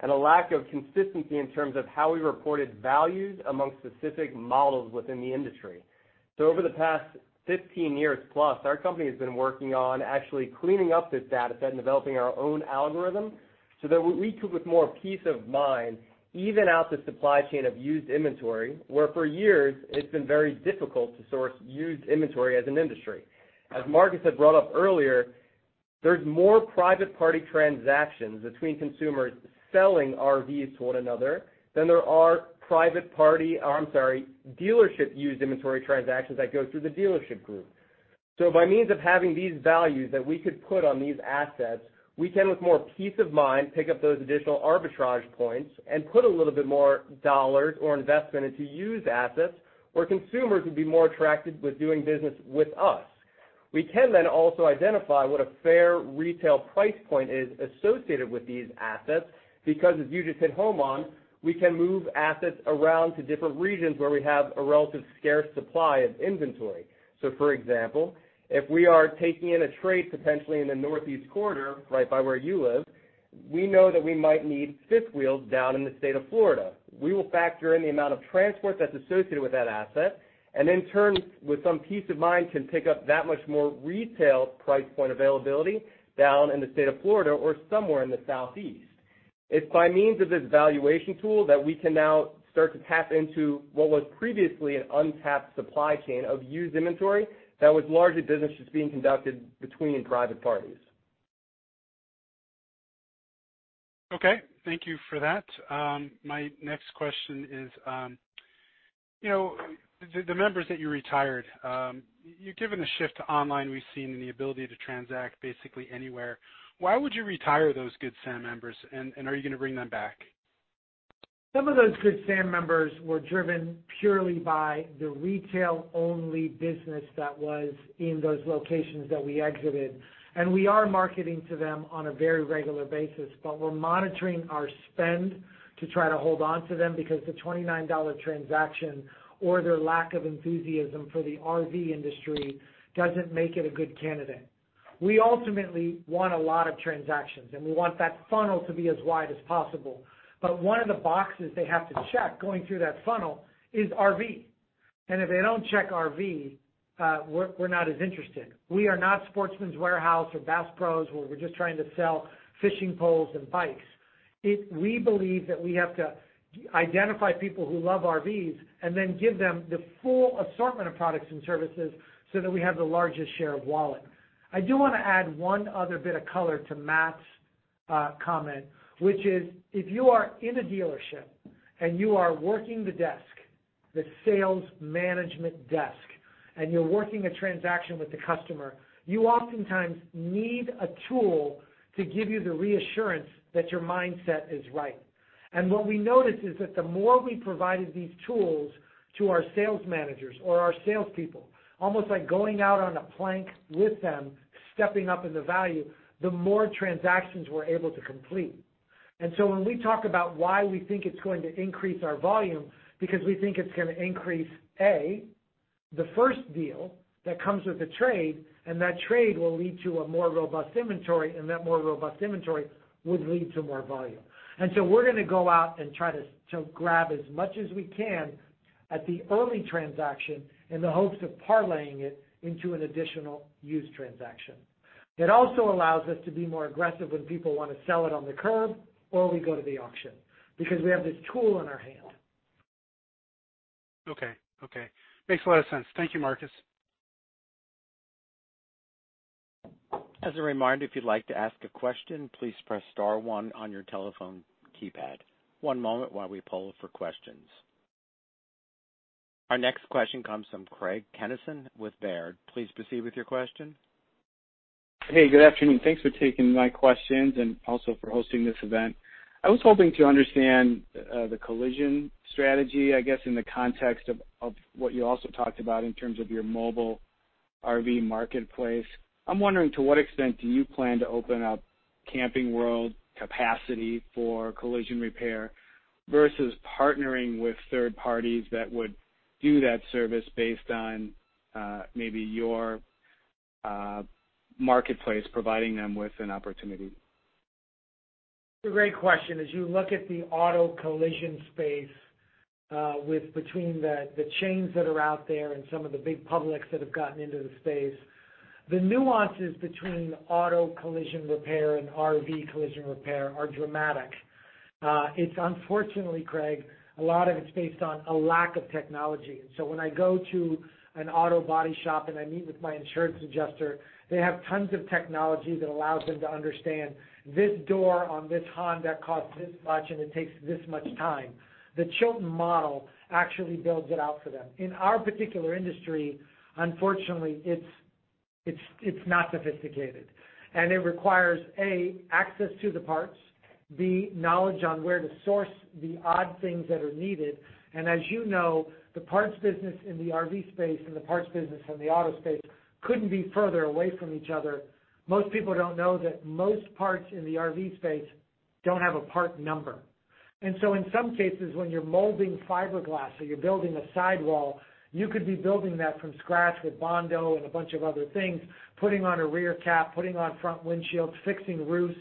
and a lack of consistency in terms of how we reported values among specific models within the industry. Over the past 15 years+, our company has been working on actually cleaning up this dataset and developing our own algorithm so that we could, with more peace of mind, even out the supply chain of used inventory, where for years it's been very difficult to source used inventory as an industry. As Marcus had brought up earlier, there's more private-party transactions between consumers selling RVs to one another than there are private-party, I'm sorry, dealership used inventory transactions that go through the dealership group. So by means of having these values that we could put on these assets, we can, with more peace of mind, pick up those additional arbitrage points and put a little bit more dollars or investment into used assets where consumers would be more attracted with doing business with us. We can then also identify what a fair retail price point is associated with these assets because, as you just hit home on, we can move assets around to different regions where we have a relatively scarce supply of inventory. So, for example, if we are taking in a trade potentially in the Northeast Corridor right by where you live, we know that we might need fifth wheels down in the state of Florida. We will factor in the amount of transport that's associated with that asset and, in turn, with some peace of mind, can pick up that much more retail price point availability down in the state of Florida or somewhere in the Southeast. It's by means of this valuation tool that we can now start to tap into what was previously an untapped supply chain of used inventory that was largely business just being conducted between private parties. Okay. Thank you for that. My next question is, the members that you retired, you've given a shift to online we've seen and the ability to transact basically anywhere. Why would you retire those Good Sam members? And are you going to bring them back? Some of those Good Sam members were driven purely by the retail-only business that was in those locations that we exited. We are marketing to them on a very regular basis, but we're monitoring our spend to try to hold on to them because the $29 transaction or their lack of enthusiasm for the RV industry doesn't make it a good candidate. We ultimately want a lot of transactions, and we want that funnel to be as wide as possible. But one of the boxes they have to check going through that funnel is RV. And if they don't check RV, we're not as interested. We are not Sportsman's Warehouse or Bass Pro Shops where we're just trying to sell fishing poles and bikes. We believe that we have to identify people who love RVs and then give them the full assortment of products and services so that we have the largest share of wallet. I do want to add one other bit of color to Matt's comment, which is if you are in a dealership and you are working the desk, the sales management desk, and you're working a transaction with the customer, you oftentimes need a tool to give you the reassurance that your mindset is right. What we noticed is that the more we provided these tools to our sales managers or our salespeople, almost like going out on a plank with them stepping up in the value, the more transactions we're able to complete. When we talk about why we think it's going to increase our volume, because we think it's going to increase A, the first deal that comes with the trade, and that trade will lead to a more robust inventory, and that more robust inventory would lead to more volume. And so we're going to go out and try to grab as much as we can at the early transaction in the hopes of parlaying it into an additional used transaction. It also allows us to be more aggressive when people want to sell it on the curb or we go to the auction because we have this tool in our hand. Okay. Okay. Makes a lot of sense. Thank you, Marcus. As a reminder, if you'd like to ask a question, please press star one on your telephone keypad. One moment while we poll for questions. Our next question comes from Craig Kennison with Baird. Please proceed with your question. Hey, good afternoon. Thanks for taking my questions and also for hosting this event. I was hoping to understand the collision strategy, I guess, in the context of what you also talked about in terms of your mobile RV marketplace. I'm wondering to what extent do you plan to open up Camping World capacity for collision repair versus partnering with third parties that would do that service based on maybe your marketplace providing them with an opportunity? It's a great question. As you look at the auto collision space between the chains that are out there and some of the big publics that have gotten into the space, the nuances between auto collision repair and RV collision repair are dramatic. It's unfortunately, Craig, a lot of it's based on a lack of technology. And so when I go to an auto body shop and I meet with my insurance adjuster, they have tons of technology that allows them to understand this door on this Honda costs this much and it takes this much time. The Chilton model actually builds it out for them. In our particular industry, unfortunately, it's not sophisticated. And it requires, A, access to the parts, B, knowledge on where to source the odd things that are needed. And as you know, the parts business in the RV space and the parts business in the auto space couldn't be further away from each other. Most people don't know that most parts in the RV space don't have a part number. And so in some cases, when you're molding fiberglass or you're building a sidewall, you could be building that from scratch with Bondo and a bunch of other things, putting on a rear cap, putting on front windshields, fixing roofs.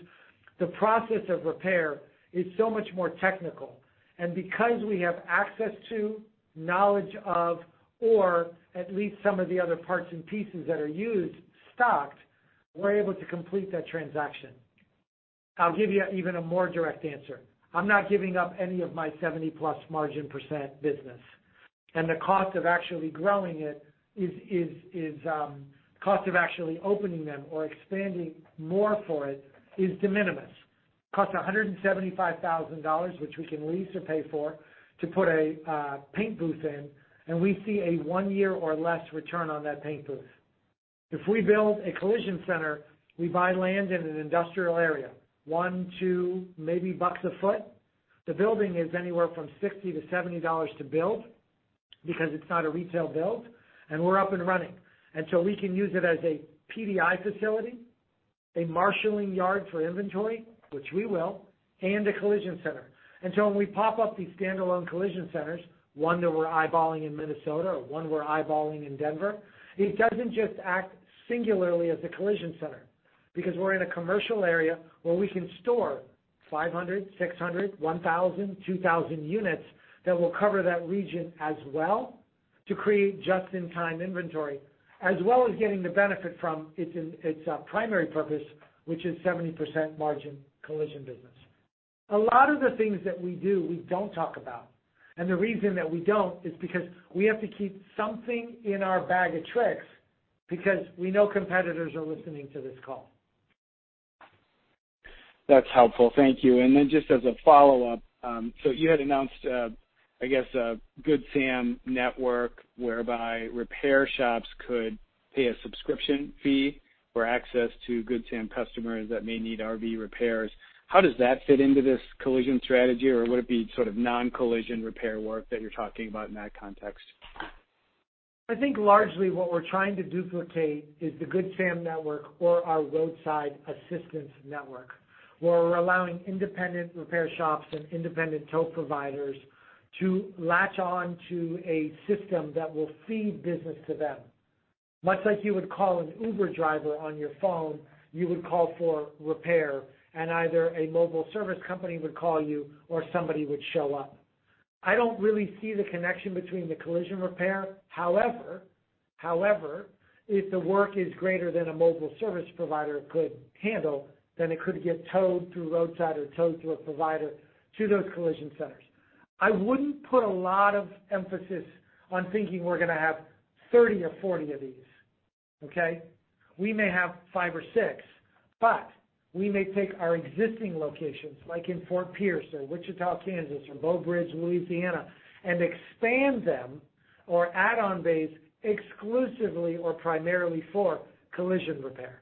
The process of repair is so much more technical. And because we have access to, knowledge of, or at least some of the other parts and pieces that are used stocked, we're able to complete that transaction. I'll give you even more direct answer. I'm not giving up any of my 70%+ margin business. And the cost of actually growing it, the cost of actually opening them or expanding more for it is de minimis. It costs $175,000, which we can lease or pay for to put a paint booth in, and we see a one-year or less return on that paint booth. If we build a collision center, we buy land in an industrial area, $1-$2 a sq ft. The building is anywhere from $60-$70 to build because it's not a retail build, and we're up and running. We can use it as a PDI facility, a marshaling yard for inventory, which we will, and a collision center. When we pop up these standalone collision centers, one that we're eyeballing in Minnesota or one we're eyeballing in Denver, it doesn't just act singularly as a collision center because we're in a commercial area where we can store 500, 600, 1,000, 2,000 units that will cover that region as well to create just-in-time inventory, as well as getting the benefit from its primary purpose, which is 70% margin collision business. A lot of the things that we do, we don't talk about. And the reason that we don't is because we have to keep something in our bag of tricks because we know competitors are listening to this call. That's helpful. Thank you. And then just as a follow-up, so you had announced, I guess, a Good Sam network whereby repair shops could pay a subscription fee for access to Good Sam customers that may need RV repairs. How does that fit into this collision strategy, or would it be sort of non-collision repair work that you're talking about in that context? I think largely what we're trying to duplicate is the Good Sam network or our roadside assistance network, where we're allowing independent repair shops and independent tow providers to latch on to a system that will feed business to them. Much like you would call an Uber driver on your phone, you would call for repair, and either a mobile service company would call you or somebody would show up. I don't really see the connection between the collision repair. However, if the work is greater than a mobile service provider could handle, then it could get towed through roadside or towed through a provider to those collision centers. I wouldn't put a lot of emphasis on thinking we're going to have 30 or 40 of these. Okay? We may have five or six, but we may take our existing locations like in Fort Pierce or Wichita, Kansas, or Breaux Bridge, Louisiana, and expand them or add on base exclusively or primarily for collision repair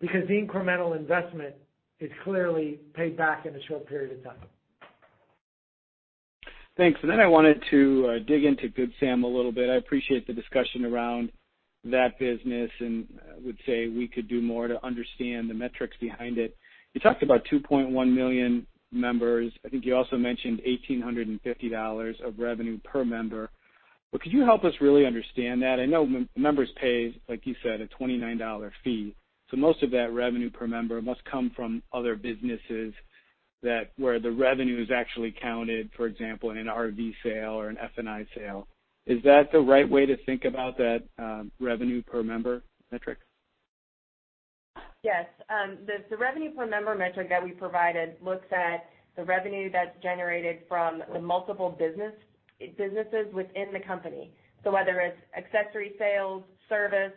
because the incremental investment is clearly paid back in a short period of time. Thanks. And then I wanted to dig into Good Sam a little bit. I appreciate the discussion around that business and would say we could do more to understand the metrics behind it. You talked about 2.1 million members. I think you also mentioned $1,850 of revenue per member. But could you help us really understand that? I know members pay, like you said, a $29 fee. So most of that revenue per member must come from other businesses where the revenue is actually counted, for example, in an RV sale or an F&I sale. Is that the right way to think about that revenue per member metric? Yes. The revenue per member metric that we provided looks at the revenue that's generated from the multiple businesses within the company. So whether it's accessory sales, service,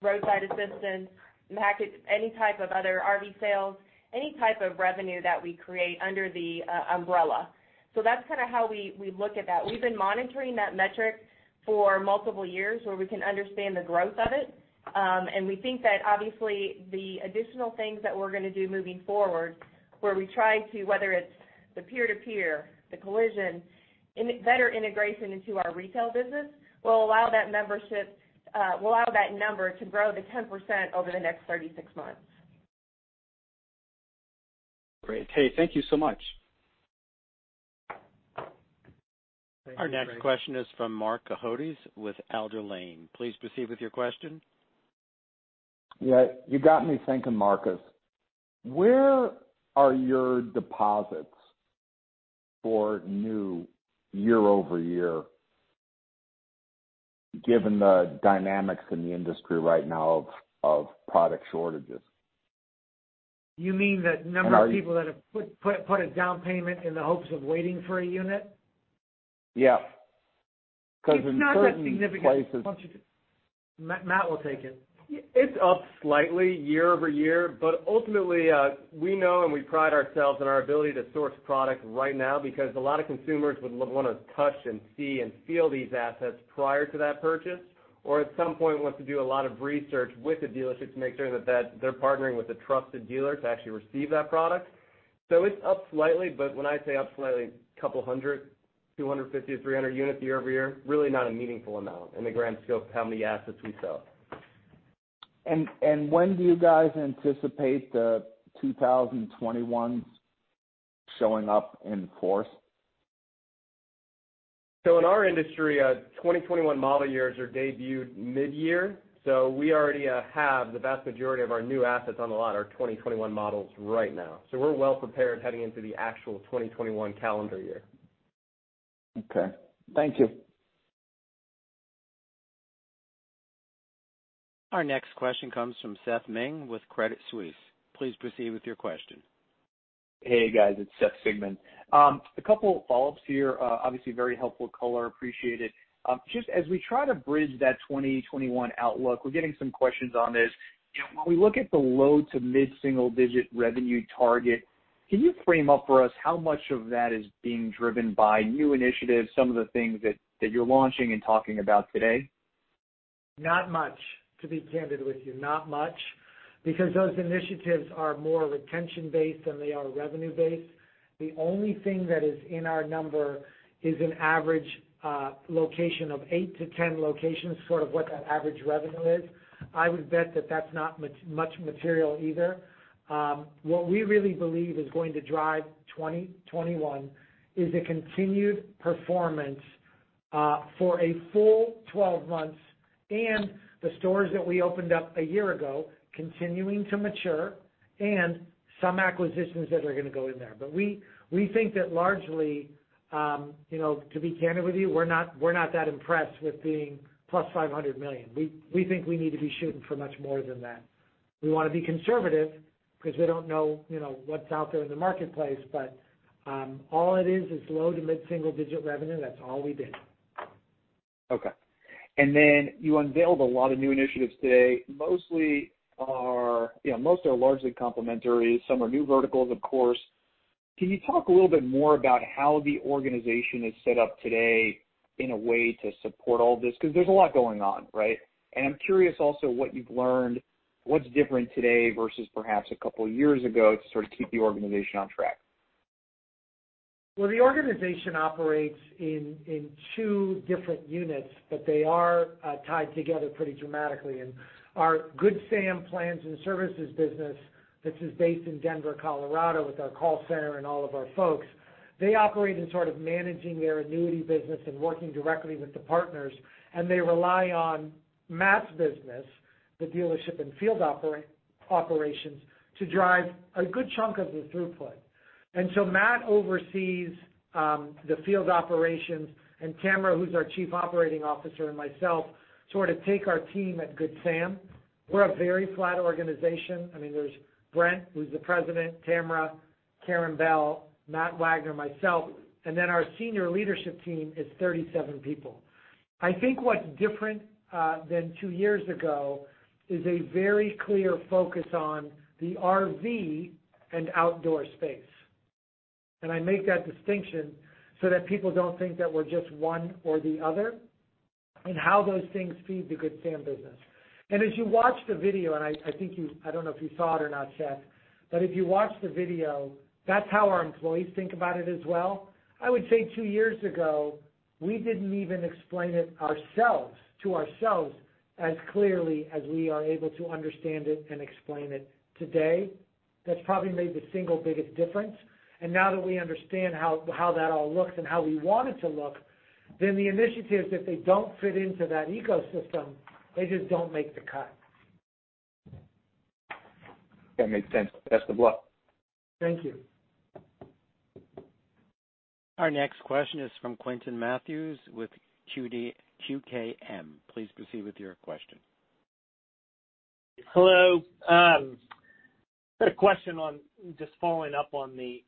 roadside assistance, any type of other RV sales, any type of revenue that we create under the umbrella. So that's kind of how we look at that. We've been monitoring that metric for multiple years where we can understand the growth of it. And we think that, obviously, the additional things that we're going to do moving forward where we try to, whether it's the peer-to-peer, the collision, and better integration into our retail business will allow that membership, will allow that number to grow to 10% over the next 36 months. Great. Hey, thank you so much. Our next question is from Marc Cohodes with Alder Lane Farm. Please proceed with your question. Yeah. You got me thinking, Marcus. Where are your deposits for new year-over-year, given the dynamics in the industry right now of product shortages? You mean the number of people that have put a down payment in the hopes of waiting for a unit? Yeah. Because in certain places. It's not that significant. Matt will take it. It's up slightly year-over-year, but ultimately, we know and we pride ourselves on our ability to source product right now because a lot of consumers would want to touch and see and feel these assets prior to that purchase or at some point want to do a lot of research with the dealership to make sure that they're partnering with a trusted dealer to actually receive that product. So it's up slightly, but when I say up slightly, a couple hundred, 250-300 units year-over-year, really not a meaningful amount in the grand scope of how many assets we sell. And when do you guys anticipate the 2021s showing up in force? So in our industry, 2021 model years are debuted mid-year. So we already have the vast majority of our new assets on the lot are 2021 models right now. So we're well prepared heading into the actual 2021 calendar year. Okay. Thank you. Our next question comes from Seth Sigman with Credit Suisse. Please proceed with your question. Hey, guys. It's Seth Sigman. A couple of follow-ups here. Obviously, very helpful color. Appreciate it. Just as we try to bridge that 2021 outlook, we're getting some questions on this. When we look at the low to mid-single-digit revenue target, can you frame up for us how much of that is being driven by new initiatives, some of the things that you're launching and talking about today? Not much, to be candid with you. Not much because those initiatives are more retention-based than they are revenue-based. The only thing that is in our number is an average location of eight to 10 locations, sort of what that average revenue is. I would bet that that's not much material either. What we really believe is going to drive 2021 is a continued performance for a full 12 months and the stores that we opened up a year ago, continuing to mature and some acquisitions that are going to go in there. But we think that largely, to be candid with you, we're not that impressed with being $500 million+. We think we need to be shooting for much more than that. We want to be conservative because we don't know what's out there in the marketplace, but all it is is low to mid-single-digit revenue. That's all we did. Okay. And then you unveiled a lot of new initiatives today. Most are largely complementary. Some are new verticals, of course. Can you talk a little bit more about how the organization is set up today in a way to support all this? Because there's a lot going on, right? And I'm curious also what you've learned, what's different today versus perhaps a couple of years ago to sort of keep the organization on track. Well, the organization operates in two different units, but they are tied together pretty dramatically. And our Good Sam plans and services business, this is based in Denver, Colorado, with our call center and all of our folks. They operate in sort of managing their annuity business and working directly with the partners. And they rely on Matt's business, the dealership and field operations, to drive a good chunk of the throughput. And so Matt oversees the field operations, and Tamara, our Chief Operating Officer, and myself sort of take our team at Good Sam. We're a very flat organization. I mean, there's Brent, our President, Tamara, Karin Bell, Matt Wagner, myself, and then our senior leadership team is 37 people. I think what's different than two years ago is a very clear focus on the RV and outdoor space. And I make that distinction so that people don't think that we're just one or the other and how those things feed the Good Sam business. And as you watch the video, and I don't know if you saw it or not, Seth, but if you watch the video, that's how our employees think about it as well. I would say two years ago, we didn't even explain it ourselves to ourselves as clearly as we are able to understand it and explain it today. That's probably made the single biggest difference. And now that we understand how that all looks and how we want it to look, then the initiatives, if they don't fit into that ecosystem, they just don't make the cut. That makes sense. Best of luck. Thank you. Our next question is from Quinton Matthews with QKM. Please proceed with your question. Hello. I've got a question on just following up on the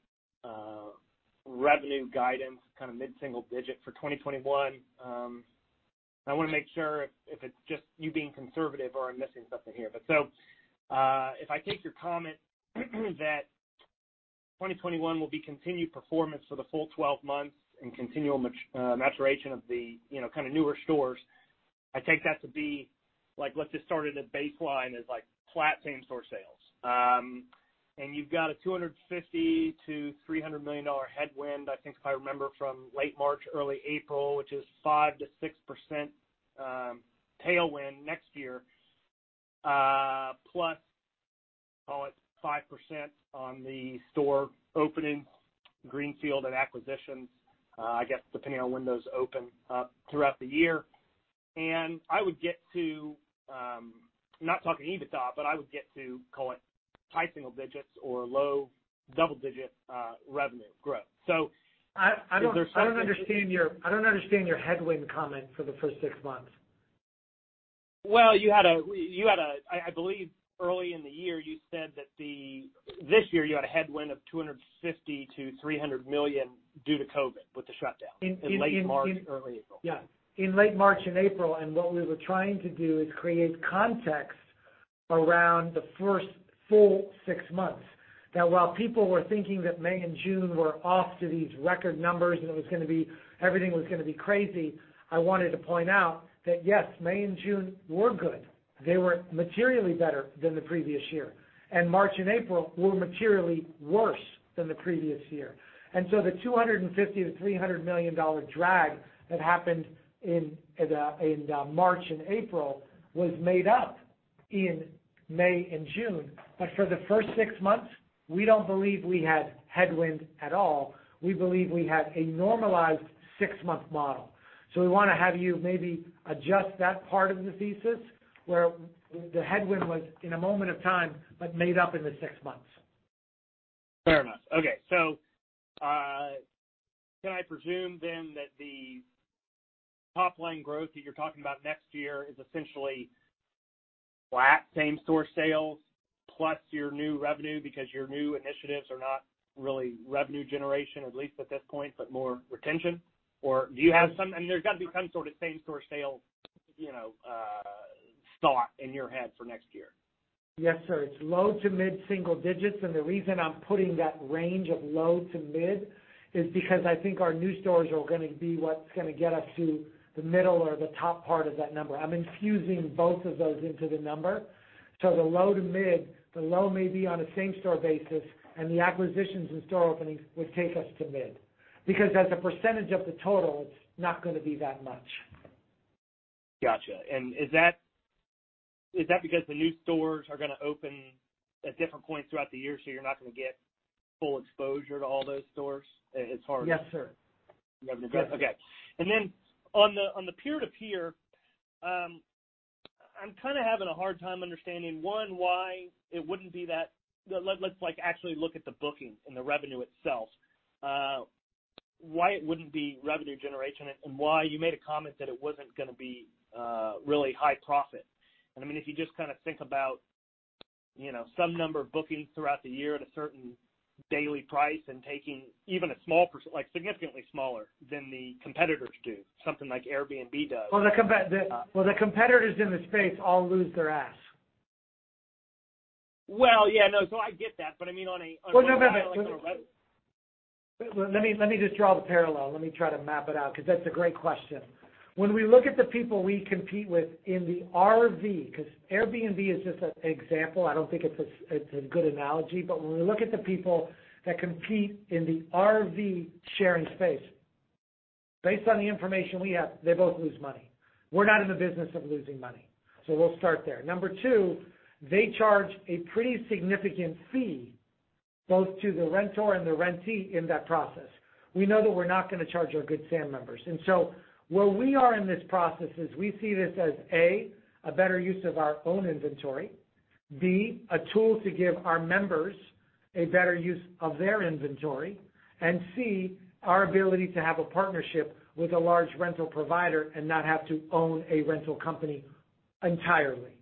revenue guidance, kind of mid-single digit for 2021. I want to make sure if it's just you being conservative or I'm missing something here. But, so if I take your comment that 2021 will be continued performance for the full 12 months and continual maturation of the kind of newer stores, I take that to be like what just started at baseline is flat same-store sales. And you've got a $250 million-$300 million headwind, I think if I remember, from late March, early April, which is 5%-6% tailwind next year, plus call it 5% on the store opening, greenfield, and acquisitions, I guess, depending on when those open up throughout the year. And I would get to, not talking EBITDA, but I would get to call it high single digits or low double-digit revenue growth. So is there something. I don't understand your headwind comment for the first six months. You had a—I believe early in the year you said that this year you had a headwind of $250 million-$300 million due to COVID with the shutdown in late March and early April. Yeah. In late March and April. What we were trying to do is create context around the first full six months. Now, while people were thinking that May and June were off to these record numbers and it was going to be everything was going to be crazy, I wanted to point out that yes, May and June were good. They were materially better than the previous year. March and April were materially worse than the previous year. So the $250 million-$300 million drag that happened in March and April was made up in May and June. But for the first six months, we don't believe we had headwind at all. We believe we had a normalized six-month model. So we want to have you maybe adjust that part of the thesis where the headwind was in a moment of time but made up in the six months. Fair enough. Okay. So can I presume then that the top-line growth that you're talking about next year is essentially flat same-store sales plus your new revenue because your new initiatives are not really revenue generation, at least at this point, but more retention? Or do you have some, and there's got to be some sort of same-store sales thought in your head for next year? Yes, sir. It's low to mid-single digits. And the reason I'm putting that range of low to mid is because I think our new stores are going to be what's going to get us to the middle or the top part of that number. I'm infusing both of those into the number. So the low to mid, the low may be on a same-store basis, and the acquisitions and store openings would take us to mid because as a percentage of the total, it's not going to be that much. Gotcha. And is that because the new stores are going to open at different points throughout the year, so you're not going to get full exposure to all those stores as far as -. Yes, sir. - revenue growth? Okay. And then on the peer-to-peer, I'm kind of having a hard time understanding, one, why it wouldn't be that. Let's actually look at the booking and the revenue itself. Why it wouldn't be revenue generation and why you made a comment that it wasn't going to be really high profit. And I mean, if you just kind of think about some number of bookings throughout the year at a certain daily price and taking even a small percent, significantly smaller than the competitors do, something like Airbnb does. Well, the competitors in the space all lose their ass. Well, yeah. No, so I get that. But I mean. Well, no, no, no. Let me just draw the parallel. Let me try to map it out because that's a great question. When we look at the people we compete with in the RV, because Airbnb is just an example, I don't think it's a good analogy, but when we look at the people that compete in the RV sharing space, based on the information we have, they both lose money. We're not in the business of losing money. So we'll start there. Number two, they charge a pretty significant fee both to the renter and the renter in that process. We know that we're not going to charge our Good Sam members. And so where we are in this process is we see this as, A, a better use of our own inventory, B, a tool to give our members a better use of their inventory, and C, our ability to have a partnership with a large rental provider and not have to own a rental company entirely.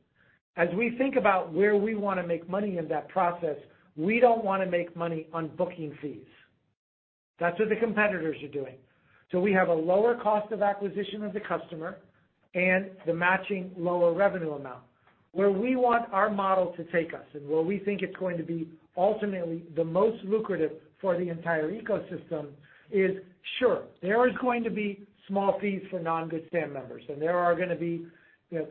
As we think about where we want to make money in that process, we don't want to make money on booking fees. That's what the competitors are doing. So we have a lower cost of acquisition of the customer and the matching lower revenue amount. Where we want our model to take us and where we think it's going to be ultimately the most lucrative for the entire ecosystem is, sure, there is going to be small fees for non-Good Sam members, and there are going to be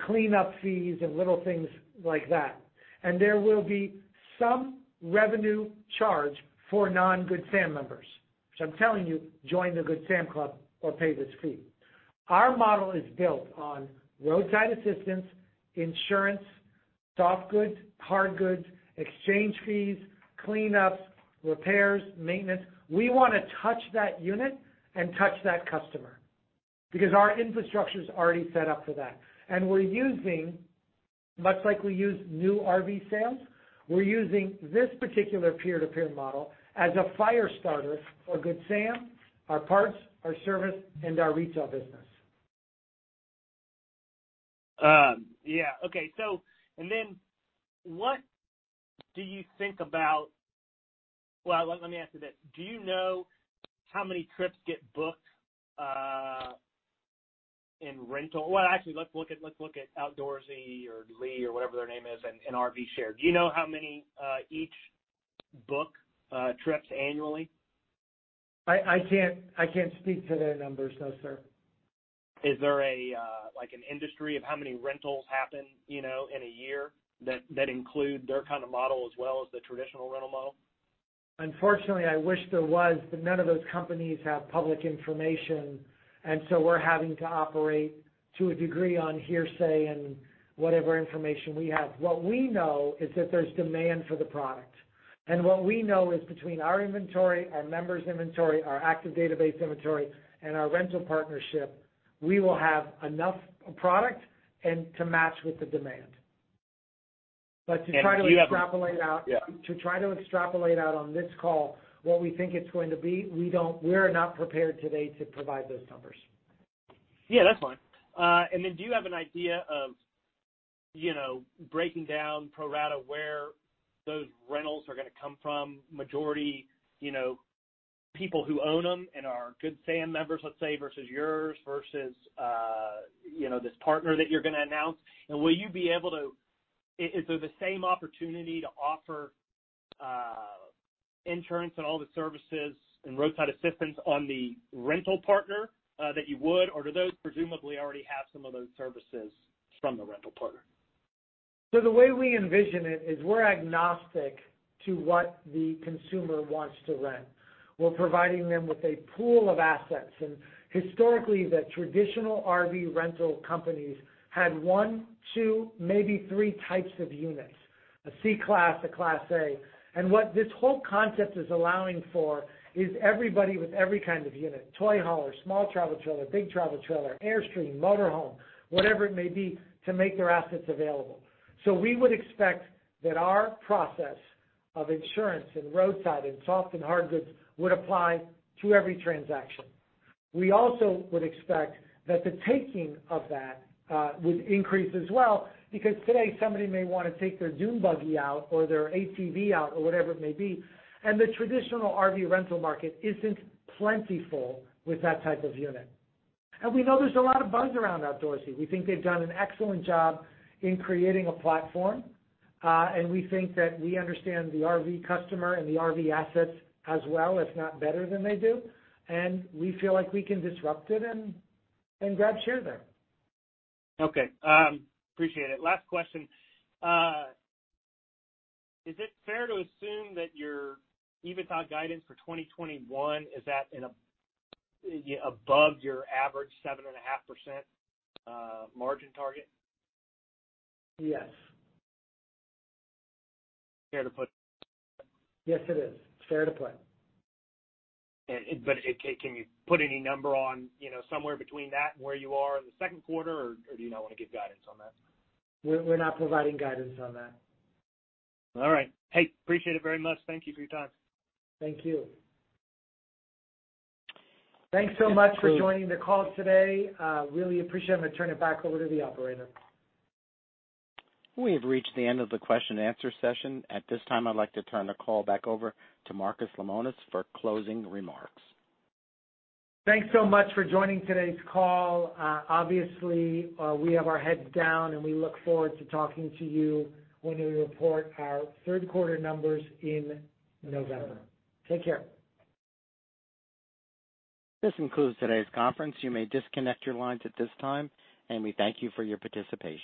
cleanup fees and little things like that, and there will be some revenue charge for non-Good Sam members, which I'm telling you, join the Good Sam Club or pay this fee. Our model is built on roadside assistance, insurance, soft goods, hard goods, exchange fees, cleanups, repairs, maintenance. We want to touch that unit and touch that customer because our infrastructure is already set up for that. And we're using, much like we use new RV sales, we're using this particular peer-to-peer model as a fire starter for Good Sam, our parts, our service, and our retail business. Yeah. Okay. And then what do you think about, well, let me ask you this. Do you know how many trips get booked in rental? Well, actually, let's look at Outdoorsy or like or whatever their name is in RVshare. Do you know how many each book trips annually? I can't speak to their numbers. No, sir. Is there an industry of how many rentals happen in a year that include their kind of model as well as the traditional rental model? Unfortunately, I wish there was, but none of those companies have public information. And so we're having to operate to a degree on hearsay and whatever information we have. What we know is that there's demand for the product. And what we know is between our inventory, our members' inventory, our active database inventory, and our rental partnership, we will have enough product to match with the demand. But to try to extrapolate out on this call what we think it's going to be, we are not prepared today to provide those numbers. Yeah, that's fine. And then do you have an idea of breaking down pro rata where those rentals are going to come from, majority people who own them and are Good Sam members, let's say, versus yours versus this partner that you're going to announce? Will you be able to, is there the same opportunity to offer insurance and all the services and roadside assistance on the rental partner that you would, or do those presumably already have some of those services from the rental partner? The way we envision it is we're agnostic to what the consumer wants to rent. We're providing them with a pool of assets. Historically, the traditional RV rental companies had one, two, maybe three types of units: a Class C, a Class A. What this whole concept is allowing for is everybody with every kind of unit: toy hauler, small travel trailer, big travel trailer, Airstream, motorhome, whatever it may be, to make their assets available. We would expect that our process of insurance and roadside and soft and hard goods would apply to every transaction. We also would expect that the taking of that would increase as well because today somebody may want to take their dune buggy out or their ATV out or whatever it may be. And the traditional RV rental market isn't plentiful with that type of unit. And we know there's a lot of buzz around Outdoorsy. We think they've done an excellent job in creating a platform. And we think that we understand the RV customer and the RV assets as well, if not better than they do. And we feel like we can disrupt it and grab share there. Okay. Appreciate it. Last question. Is it fair to assume that your EBITDA guidance for 2021 is above your average 7.5% margin target? Yes. Fair to put? Yes, it is. Fair to put. But can you put any number on somewhere between that and where you are in the second quarter, or do you not want to give guidance on that? We're not providing guidance on that. All right. Hey, appreciate it very much. Thank you for your time. Thank you. Thanks so much for joining the call today. Really appreciate it. I'm going to turn it back over to the operator. We have reached the end of the question-and-answer session. At this time, I'd like to turn the call back over to Marcus Lemonis for closing remarks. Thanks so much for joining today's call. Obviously, we have our heads down, and we look forward to talking to you when we report our third-quarter numbers in November. Take care. This concludes today's conference. You may disconnect your lines at this time, and we thank you for your participation.